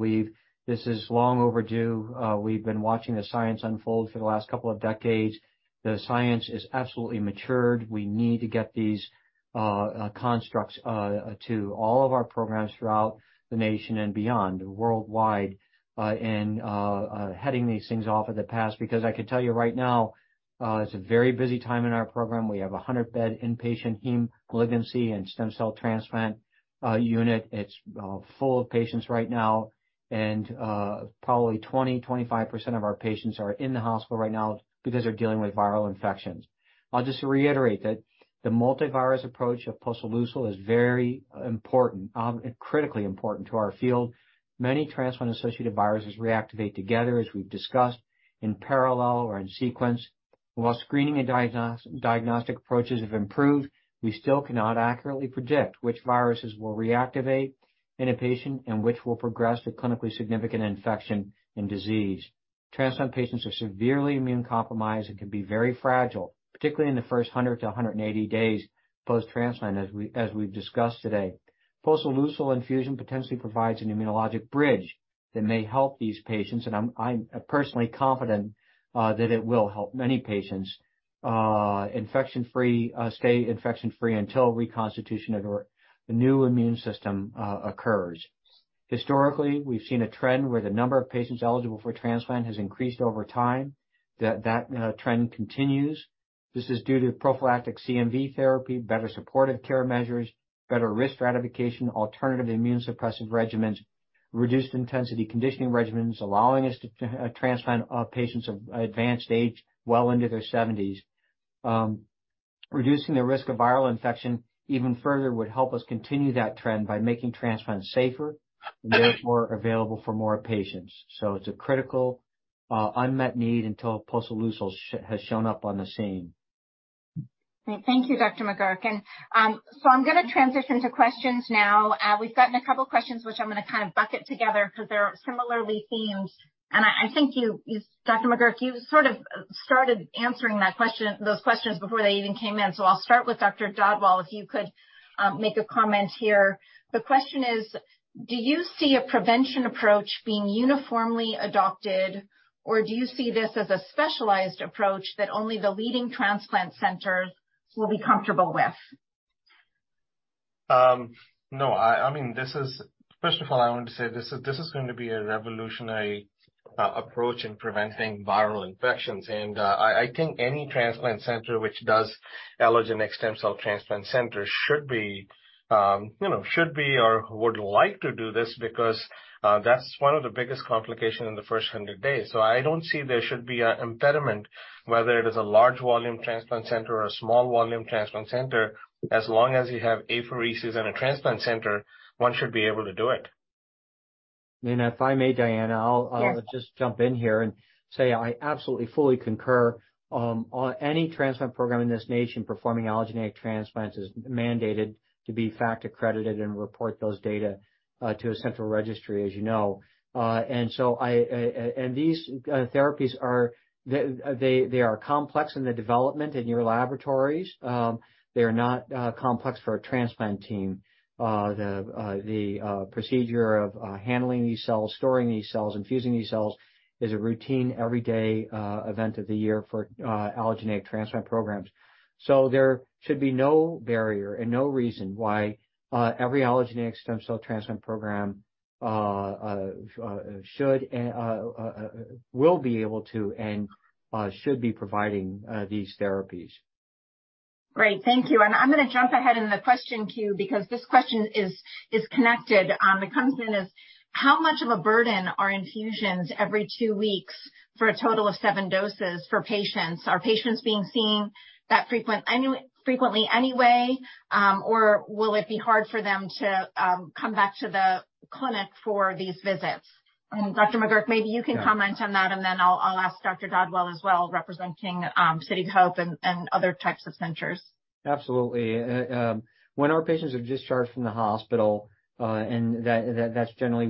This is long overdue. We've been watching the science unfold for the last couple of decades. The science is absolutely matured. We need to get these constructs to all of our programs throughout the nation and beyond, worldwide, and heading these things off of the pass, because I can tell you right now, it's a very busy time in our program. We have a 100-bed inpatient hematology oncology and stem cell transplant unit. It's full of patients right now. Probably 20%-25% of our patients are in the hospital right now because they're dealing with viral infections. I'll just reiterate that the multi-virus approach of posoleucel is very important, critically important to our field. Many transplant-associated viruses reactivate together, as we've discussed, in parallel or in sequence. While screening and diagnostic approaches have improved, we still cannot accurately predict which viruses will reactivate in a patient and which will progress to clinically significant infection and disease. Transplant patients are severely immune-compromised and can be very fragile, particularly in the first 100 to 180 days post-transplant, as we've discussed today. Posoleucel infusion potentially provides an immunologic bridge that may help these patients, and I'm personally confident that it will help many patients infection-free, stay infection-free until reconstitution of their new immune system occurs. Historically, we've seen a trend where the number of patients eligible for transplant has increased over time. That trend continues. This is due to prophylactic CMV therapy, better supportive care measures, better risk stratification, alternative immunosuppressive regimens, reduced intensity conditioning regimens, allowing us to transplant patients of advanced age well into their seventies. Reducing the risk of viral infection even further would help us continue that trend by making transplants safer and therefore available for more patients. It's a critical unmet need until posoleucel has shown up on the scene.
Thank you, Dr. McGuirk. I'm gonna transition to questions now. We've gotten a couple of questions which I'm gonna kind of bucket together 'cause they're similarly themed. I think you, Dr. McGuirk, you sort of started answering that question, those questions before they even came in. I'll start with Dr. Dadwal, if you could make a comment here. The question is, do you see a prevention approach being uniformly adopted, or do you see this as a specialized approach that only the leading transplant centers will be comfortable with?
I mean, this is. First of all, I want to say this is going to be a revolutionary approach in preventing viral infections. I think any transplant center which does allogeneic stem cell transplant center should be, you know, or would like to do this because that's one of the biggest complication in the first 100 days. I don't see there should be an impediment, whether it is a large volume transplant center or a small volume transplant center. As long as you have apheresis in a transplant center, one should be able to do it.
If I may, Diana.
Yes.
I'll just jump in here and say I absolutely, fully concur. Any transplant program in this nation performing allogeneic transplants is mandated to be FACT accredited and report those data to a central registry, as you know. These therapies are, they are complex in the development in your laboratories. They are not complex for a transplant team. The procedure of handling these cells, storing these cells, infusing these cells is a routine everyday event of the year for allogeneic transplant programs. There should be no barrier and no reason why every allogeneic stem cell transplant program should and will be able to and should be providing these therapies.
Great. Thank you. I'm gonna jump ahead in the question queue because this question is connected. It comes in as how much of a burden are infusions every two weeks for a total of 7 doses for patients? Are patients being seen that frequently anyway, or will it be hard for them to come back to the clinic for these visits? Dr. McGuirk, maybe you can comment on that, and then I'll ask Dr. Dadwal as well, representing City of Hope and other types of centers.
Absolutely. When our patients are discharged from the hospital, and that's generally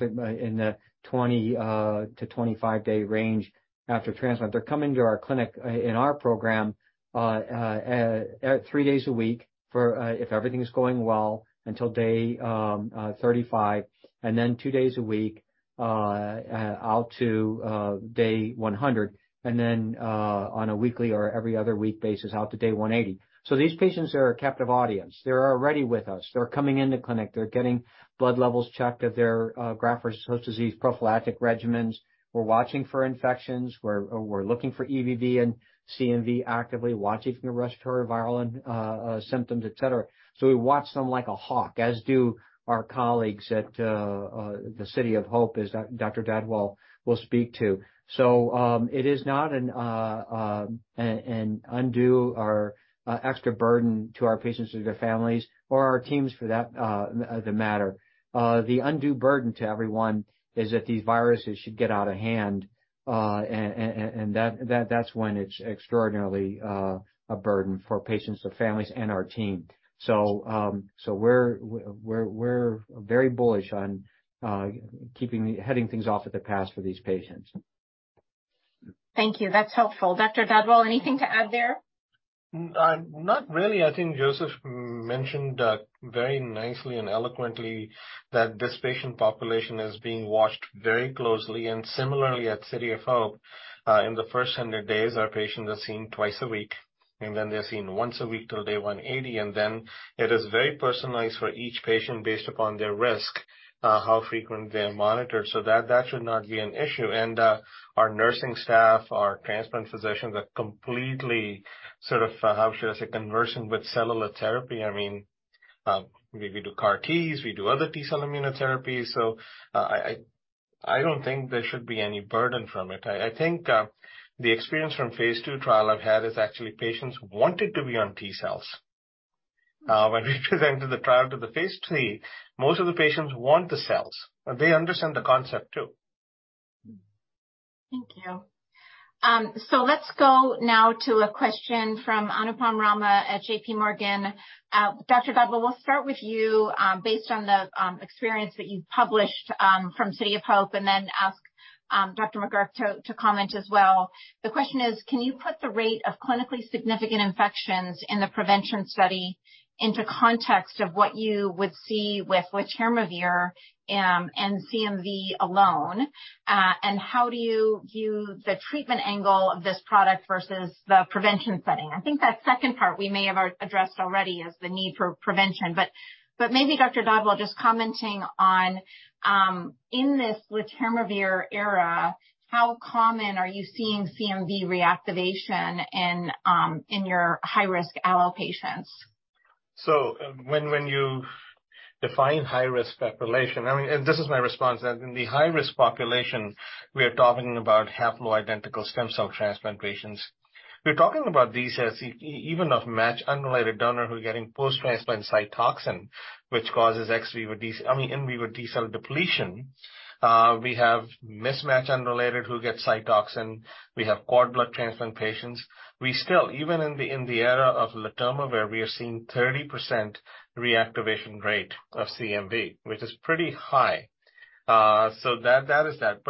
in the 20-25 day range after transplant, they're coming to our clinic in our program three days a week for if everything is going well until day 35, and then two days a week out to day 100, and then on a weekly or every other week basis out to day 180. These patients are a captive audience. They're already with us. They're coming into clinic. They're getting blood levels checked of their graft-versus-host disease prophylactic regimens. We're watching for infections. We're looking for EBV and CMV, actively watching for respiratory viral and symptoms, et cetera. We watch them like a hawk, as do our colleagues at the City of Hope, as Dr. Dadwal will speak to. It is not an undue or extra burden to our patients or their families or our teams for that matter. The undue burden to everyone is that these viruses should get out of hand, and that's when it's extraordinarily a burden for patients, their families, and our team. We're very bullish on heading things off at the pass for these patients.
Thank you. That's helpful. Dr. Dadwal, anything to add there?
Not really. I think Joseph mentioned very nicely and eloquently that this patient population is being watched very closely. Similarly at City of Hope, in the first 100 days, our patients are seen twice a week, and then they're seen once a week till day 180. It is very personalized for each patient based upon their risk, how frequent they're monitored, so that should not be an issue. Our nursing staff, our transplant physicians are completely sort of, how should I say, conversant with cellular therapy. I mean, we do CAR Ts, we do other T-cell immunotherapies. I don't think there should be any burden from it. I think the experience from phase II trial I've had is actually patients wanted to be on T-cells. When we presented the trial to the phase III, most of the patients want the cells. They understand the concept too.
Thank you. Let's go now to a question from Anupam Rama at JPMorgan. Dr. Dadwal, we'll start with you, based on the experience that you've published from City of Hope, and then ask Dr. McGuirk to comment as well. The question is, can you put the rate of clinically significant infections in the prevention study into context of what you would see with letermovir and CMV alone? How do you view the treatment angle of this product versus the prevention setting? I think that second part we may have addressed already is the need for prevention, but maybe Dr. Dadwal just commenting on, in this letermovir era, how common are you seeing CMV reactivation in your high-risk ALL patients?
When you define high-risk population, I mean, this is my response that in the high-risk population, we are talking about haploidentical stem cell transplant patients. We're talking about these as even of match unrelated donor who are getting post-transplant Cytoxan, which causes in vivo I mean, in vivo T-cell depletion. We have mismatched unrelated who get Cytoxan. We have cord blood transplant patients. We still, even in the era of letermovir, we are seeing 30% reactivation rate of CMV, which is pretty high. That is that.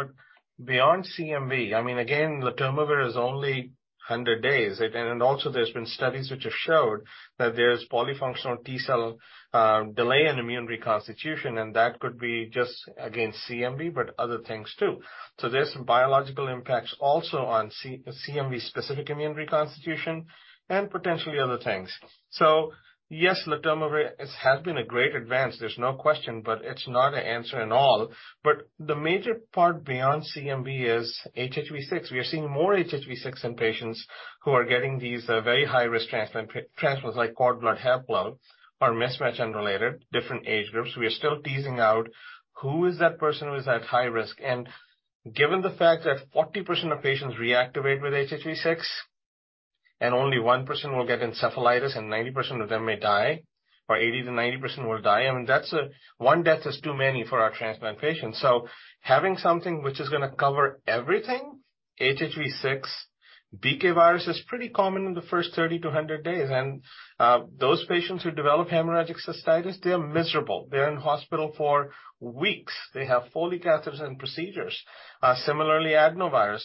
Beyond CMV, I mean, again, letermovir is only 100 days. Also there's been studies which have showed that there's polyfunctional T-cell delay in immune reconstitution, and that could be just against CMV, but other things too. There's biological impacts also on CMV specific immune reconstitution and potentially other things. Yes, letermovir has been a great advance, there's no question, but it's not an answer in all. The major part beyond CMV is HHV6. We are seeing more HHV6 in patients who are getting these very high-risk transplants like cord blood, haplo, or mismatched unrelated, different age groups. We are still teasing out who is that person who is at high risk. Given the fact that 40% of patients reactivate with HHV6 and only 1% will get encephalitis and 90% of them may die, or 80%-90% will die, I mean, that's 1 death is too many for our transplant patients. Having something which is gonna cover everything, HHV6, BK virus is pretty common in the first 30 to 100 days. Those patients who develop hemorrhagic cystitis, they are miserable. They're in hospital for weeks. They have Foley catheters and procedures. Similarly, adenovirus.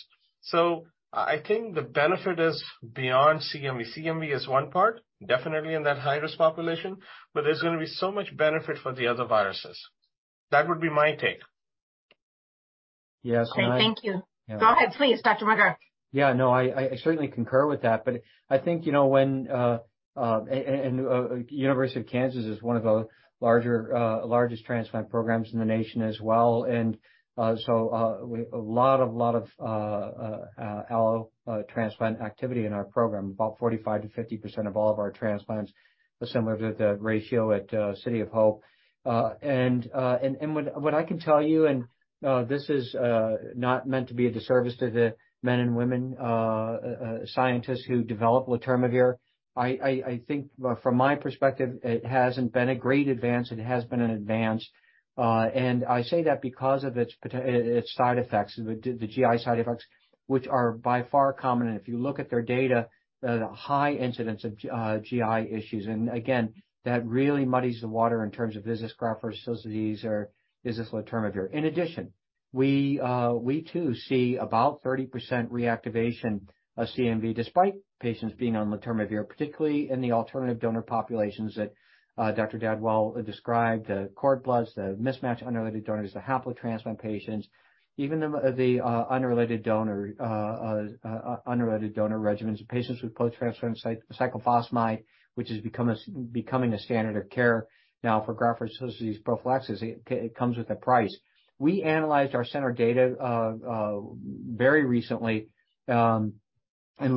I think the benefit is beyond CMV. CMV is one part, definitely in that high-risk population, but there's gonna be so much benefit for the other viruses. That would be my take.
Great. Thank you.
Yes, and.
Go ahead, please, Dr. McGuirk.
No, I certainly concur with that. I think, you know, when University of Kansas is one of the largest transplant programs in the nation as well. A lot of allo transplant activity in our program, about 45%-50% of all of our transplants, similar to the ratio at City of Hope. And what I can tell you, this is not meant to be a disservice to the men and women scientists who develop letermovir, I think from my perspective, it hasn't been a great advance. It has been an advance. I say that because of its side effects, the GI side effects, which are by far common. If you look at their data, the high incidence of GI issues. Again, that really muddies the water in terms of is this graft-versus-host disease or is this letermovir? In addition, we too see about 30% reactivation of CMV despite patients being on letermovir, particularly in the alternative donor populations that Dr. Dadwal described, the cord bloods, the mismatched unrelated donors, the haplo transplant patients, even the unrelated donor regimens. Patients with post-transplant cyclophosphamide, which is becoming a standard of care now for graft-versus-host disease prophylaxis. It comes with a price. We analyzed our center data very recently, and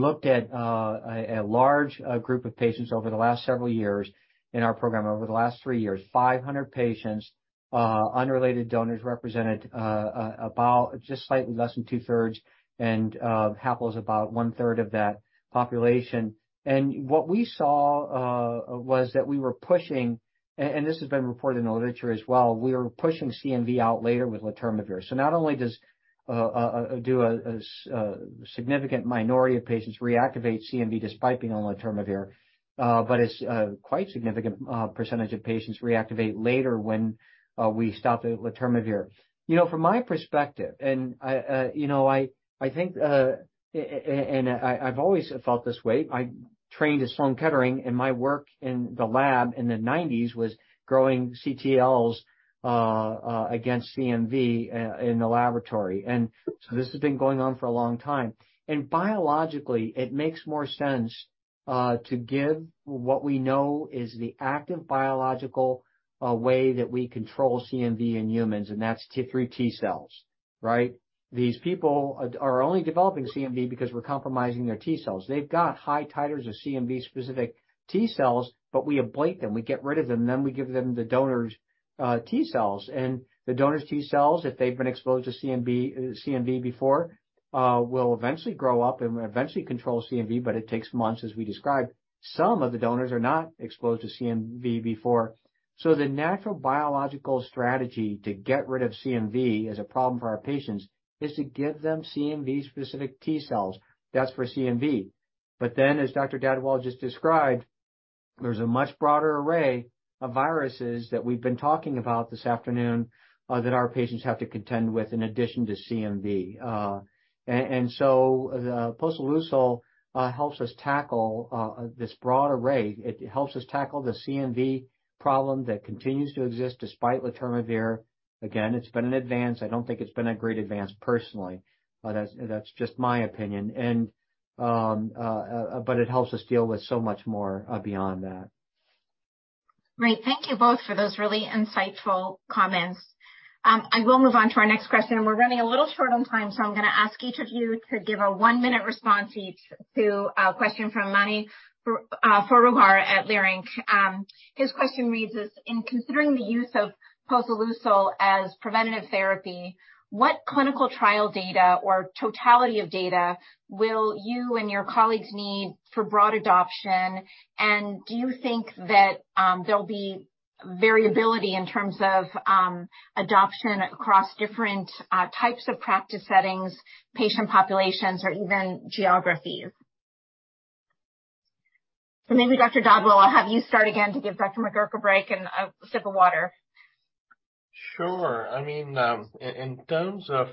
looked at a large group of patients over the last several years in our program. Over the last three years, 500 patients, unrelated donors represented about just slightly less than two-thirds, and haplo's about 1/3 of that population. What we saw was that we were pushing, and this has been reported in the literature as well, we were pushing CMV out later with letermovir. Not only does do a significant minority of patients reactivate CMV despite being on letermovir, but it's a quite significant % of patients reactivate later when we stop the letermovir. You know, from my perspective, and I, you know, I think, and I've always felt this way, I trained at Sloan Kettering, and my work in the lab in the 1990s was growing CTLs against CMV in the laboratory. This has been going on for a long time. Biologically, it makes more sense, to give what we know is the active biological, way that we control CMV in humans, and that's three T cells, right? These people are only developing CMV because we're compromising their T cells. They've got high titers of CMV specific T cells, but we ablate them. We get rid of them, and then we give them the donor's T cells. The donor's T cells, if they've been exposed to CMV before, will eventually grow up and eventually control CMV, but it takes months, as we described. Some of the donors are not exposed to CMV before. The natural biological strategy to get rid of CMV as a problem for our patients is to give them CMV specific T cells. That's for CMV. Then, as Dr. Dadwal just described, there's a much broader array of viruses that we've been talking about this afternoon, that our patients have to contend with in addition to CMV. The posoleucel helps us tackle this broad array. It helps us tackle the CMV problem that continues to exist despite letermovir. Again, it's been an advance. I don't think it's been a great advance personally, but that's just my opinion. It helps us deal with so much more beyond that.
Right. Thank you both for those really insightful comments. I will move on to our next question. We're running a little short on time, I'm gonna ask each of you to give a one-minute response each to a question from Mani Foroohar at Leerink. His question reads as, "In considering the use of posoleucel as preventative therapy, what clinical trial data or totality of data will you and your colleagues need for broad adoption? Do you think that there'll be variability in terms of adoption across different types of practice settings, patient populations, or even geographies?" Maybe Dr. Dadwal, I'll have you start again to give Dr. McGuirk a break and a sip of water.
Sure. I mean, in terms of,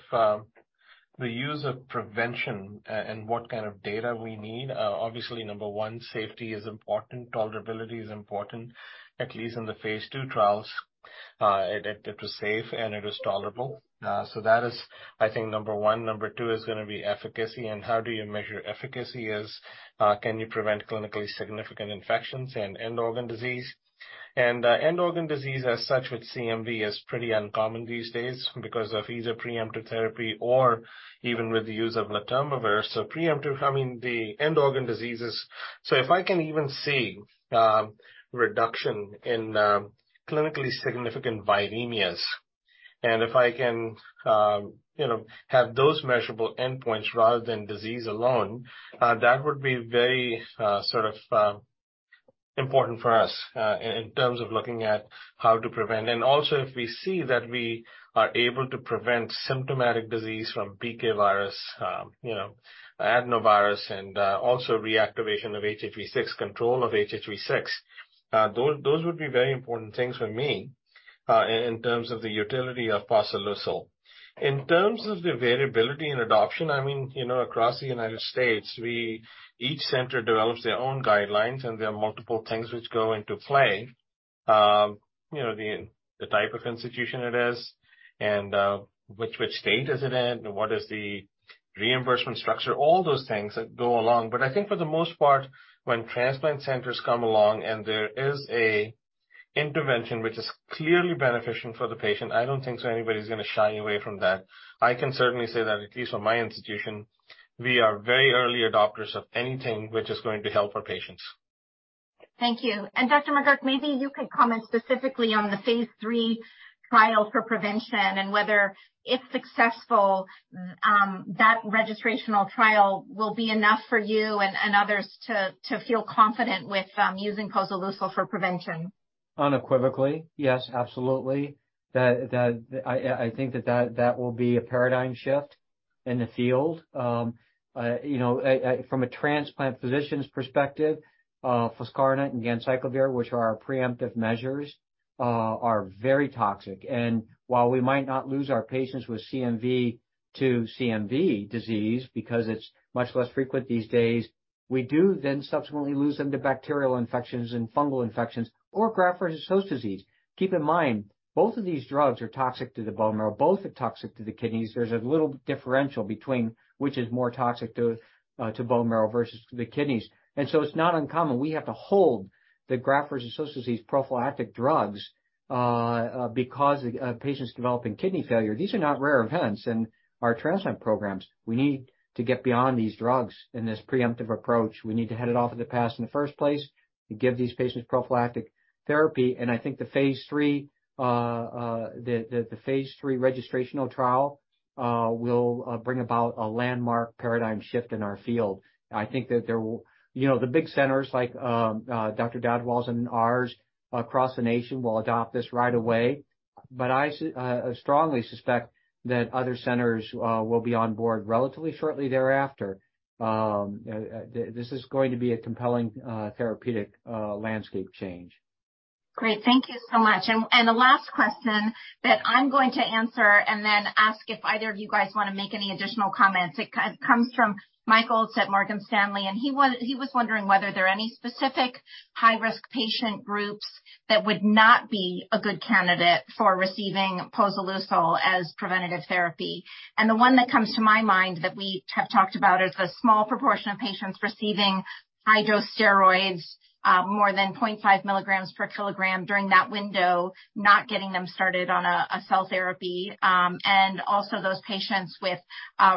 the use of prevention and what kind of data we need, obviously, number one, safety is important, tolerability is important. At least in the phase II trials, it was safe and it was tolerable. That is, I think, number one. Number two Is gonna be efficacy and how do you measure efficacy as, can you prevent clinically significant infections and end organ disease? End organ disease as such with CMV is pretty uncommon these days because of either preemptive therapy or even with the use of letermovir. I mean, the end organ disease is. If I can even see reduction in clinically significant viremias, and if I can, you know, have those measurable endpoints rather than disease alone, that would be very sort of important for us in terms of looking at how to prevent. Also, if we see that we are able to prevent symptomatic disease from BK virus, you know, adenovirus, and also reactivation of HHV6, control of HHV6, those would be very important things for me in terms of the utility of posoleucel. In terms of the variability in adoption, I mean, you know, across the United States, each center develops their own guidelines, and there are multiple things which go into play. You know, the type of institution it is and which state is it in? What is the reimbursement structure? All those things that go along. I think for the most part, when transplant centers come along and there is a intervention which is clearly beneficial for the patient, I don't think anybody's gonna shy away from that. I can certainly say that at least from my institution, we are very early adopters of anything which is going to help our patients.
Thank you. Dr. McGuirk, maybe you could comment specifically on the phase III trial for prevention and whether it's successful, that registrational trial will be enough for you and others to feel confident with using posoleucel for prevention.
Unequivocally. Yes, absolutely. I think that that will be a paradigm shift in the field. You know, from a transplant physician's perspective, foscarnet and ganciclovir, which are our preemptive measures, are very toxic. While we might not lose our patients with CMV to CMV disease because it's much less frequent these days, we do subsequently lose them to bacterial infections and fungal infections or graft-versus-host disease. Keep in mind, both of these drugs are toxic to the bone marrow. Both are toxic to the kidneys. There's a little differential between which is more toxic to bone marrow versus the kidneys. It's not uncommon. We have to hold the graft-versus-host disease prophylactic drugs because of patients developing kidney failure. These are not rare events in our transplant programs. We need to get beyond these drugs in this preemptive approach. We need to head it off in the past in the first place to give these patients prophylactic therapy. I think the phase III registrational trial will bring about a landmark paradigm shift in our field. I think that there will You know, the big centers like Dr. Dadwal's and ours across the nation will adopt this right away. I strongly suspect that other centers will be on board relatively shortly thereafter. This is going to be a compelling therapeutic landscape change.
Great. Thank you so much. The last question that I'm going to answer and then ask if either of you guys wanna make any additional comments. It comes from Michael at Morgan Stanley, and he was wondering whether there are any specific high-risk patient groups that would not be a good candidate for receiving posoleucel as preventative therapy. The one that comes to my mind that we have talked about is the small proportion of patients receiving high-dose steroids, more than 0.5 milligrams per kilogram during that window, not getting them started on a cell therapy. Also those patients with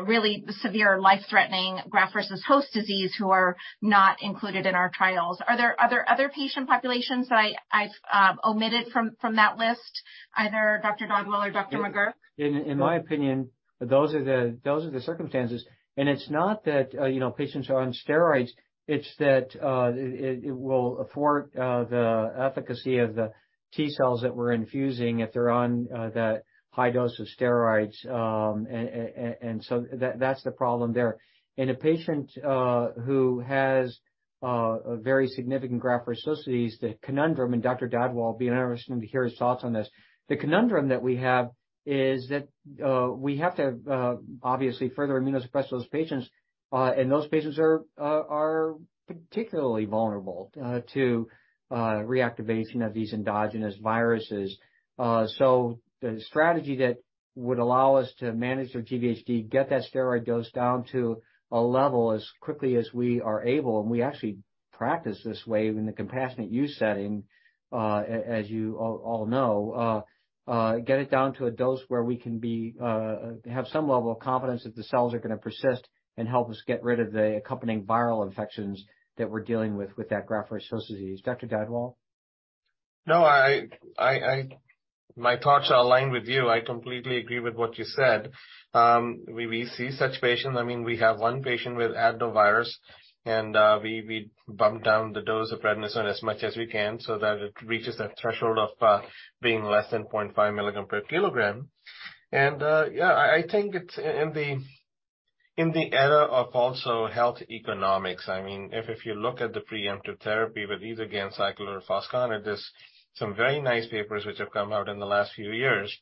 really severe life-threatening graft-versus-host disease who are not included in our trials. Are there other patient populations that I've omitted from that list, either Dr. Dadwal or Dr. McGuirk?
In my opinion, those are the circumstances. It's not that, you know, patients are on steroids. It's that it will afford the efficacy of the T cells that we're infusing if they're on that high dose of steroids. That's the problem there. In a patient who has a very significant graft-versus-host disease, the conundrum, Dr. Dadwal, it'll be interesting to hear his thoughts on this. The conundrum that we have is that we have to obviously further immunosuppress those patients. Those patients are particularly vulnerable to reactivation of these endogenous viruses. The strategy that would allow us to manage their GVHD, get that steroid dose down to a level as quickly as we are able, and we actually practice this way in the compassionate use setting, as you all know, get it down to a dose where we can be, have some level of confidence that the cells are gonna persist and help us get rid of the accompanying viral infections that we're dealing with with that graft-versus-host disease. Dr. Dadwal?
No, my thoughts are aligned with you. I completely agree with what you said. We see such patients. I mean, we have one patient with adenovirus, and we bump down the dose of prednisone as much as we can so that it reaches that threshold of being less than 0.5 milligram per kilogram. Yeah, I think it's in the era of also health economics, I mean, if you look at the preemptive therapy with either ganciclovir or foscarnet, there's some very nice papers which have come out in the last few years.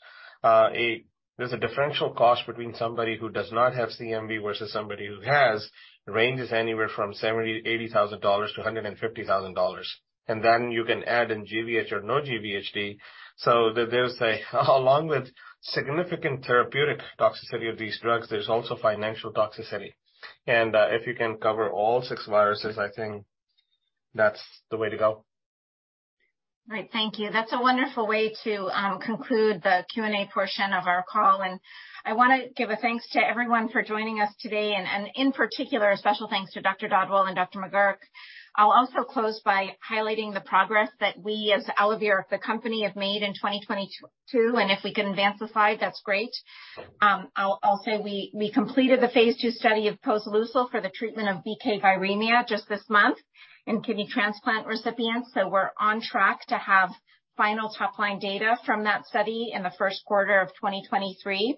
There's a differential cost between somebody who does not have CMV versus somebody who has. It ranges anywhere from $70,000-$80,000 to $150,000. You can add in GvHD or no GvHD, so there's along with significant therapeutic toxicity of these drugs, there's also financial toxicity. If you can cover all six viruses, I think that's the way to go.
Right. Thank you. That's a wonderful way to conclude the Q&A portion of our call. I wanna give a thanks to everyone for joining us today and in particular, a special thanks to Dr. Dadwal and Dr. McGuirk. I'll also close by highlighting the progress that we, as AlloVir, the company, have made in 2022. If we can advance the slide, that's great. I'll say we completed the phase II study of posoleucel for the treatment of BK viremia just this month in kidney transplant recipients. We're on track to have final top-line data from that study in the first quarter of 2023.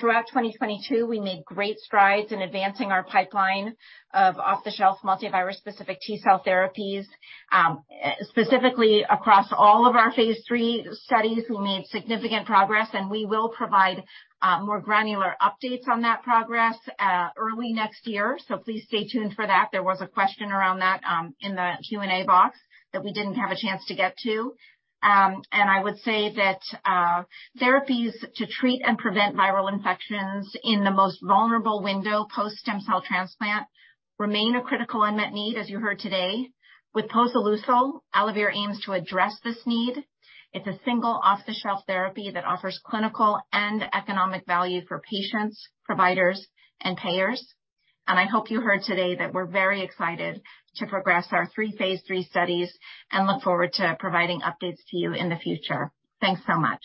Throughout 2022, we made great strides in advancing our pipeline of off-the-shelf multi-virus specific T-cell therapies. Specifically across all of our phase III studies, we made significant progress, and we will provide more granular updates on that progress early next year. Please stay tuned for that. There was a question around that in the Q&A box that we didn't have a chance to get to. I would say that therapies to treat and prevent viral infections in the most vulnerable window post-stem cell transplant remain a critical unmet need, as you heard today. With posoleucel, AlloVir aims to address this need. It's a single off-the-shelf therapy that offers clinical and economic value for patients, providers, and payers. I hope you heard today that we're very excited to progress our three phase III studies and look forward to providing updates to you in the future. Thanks so much.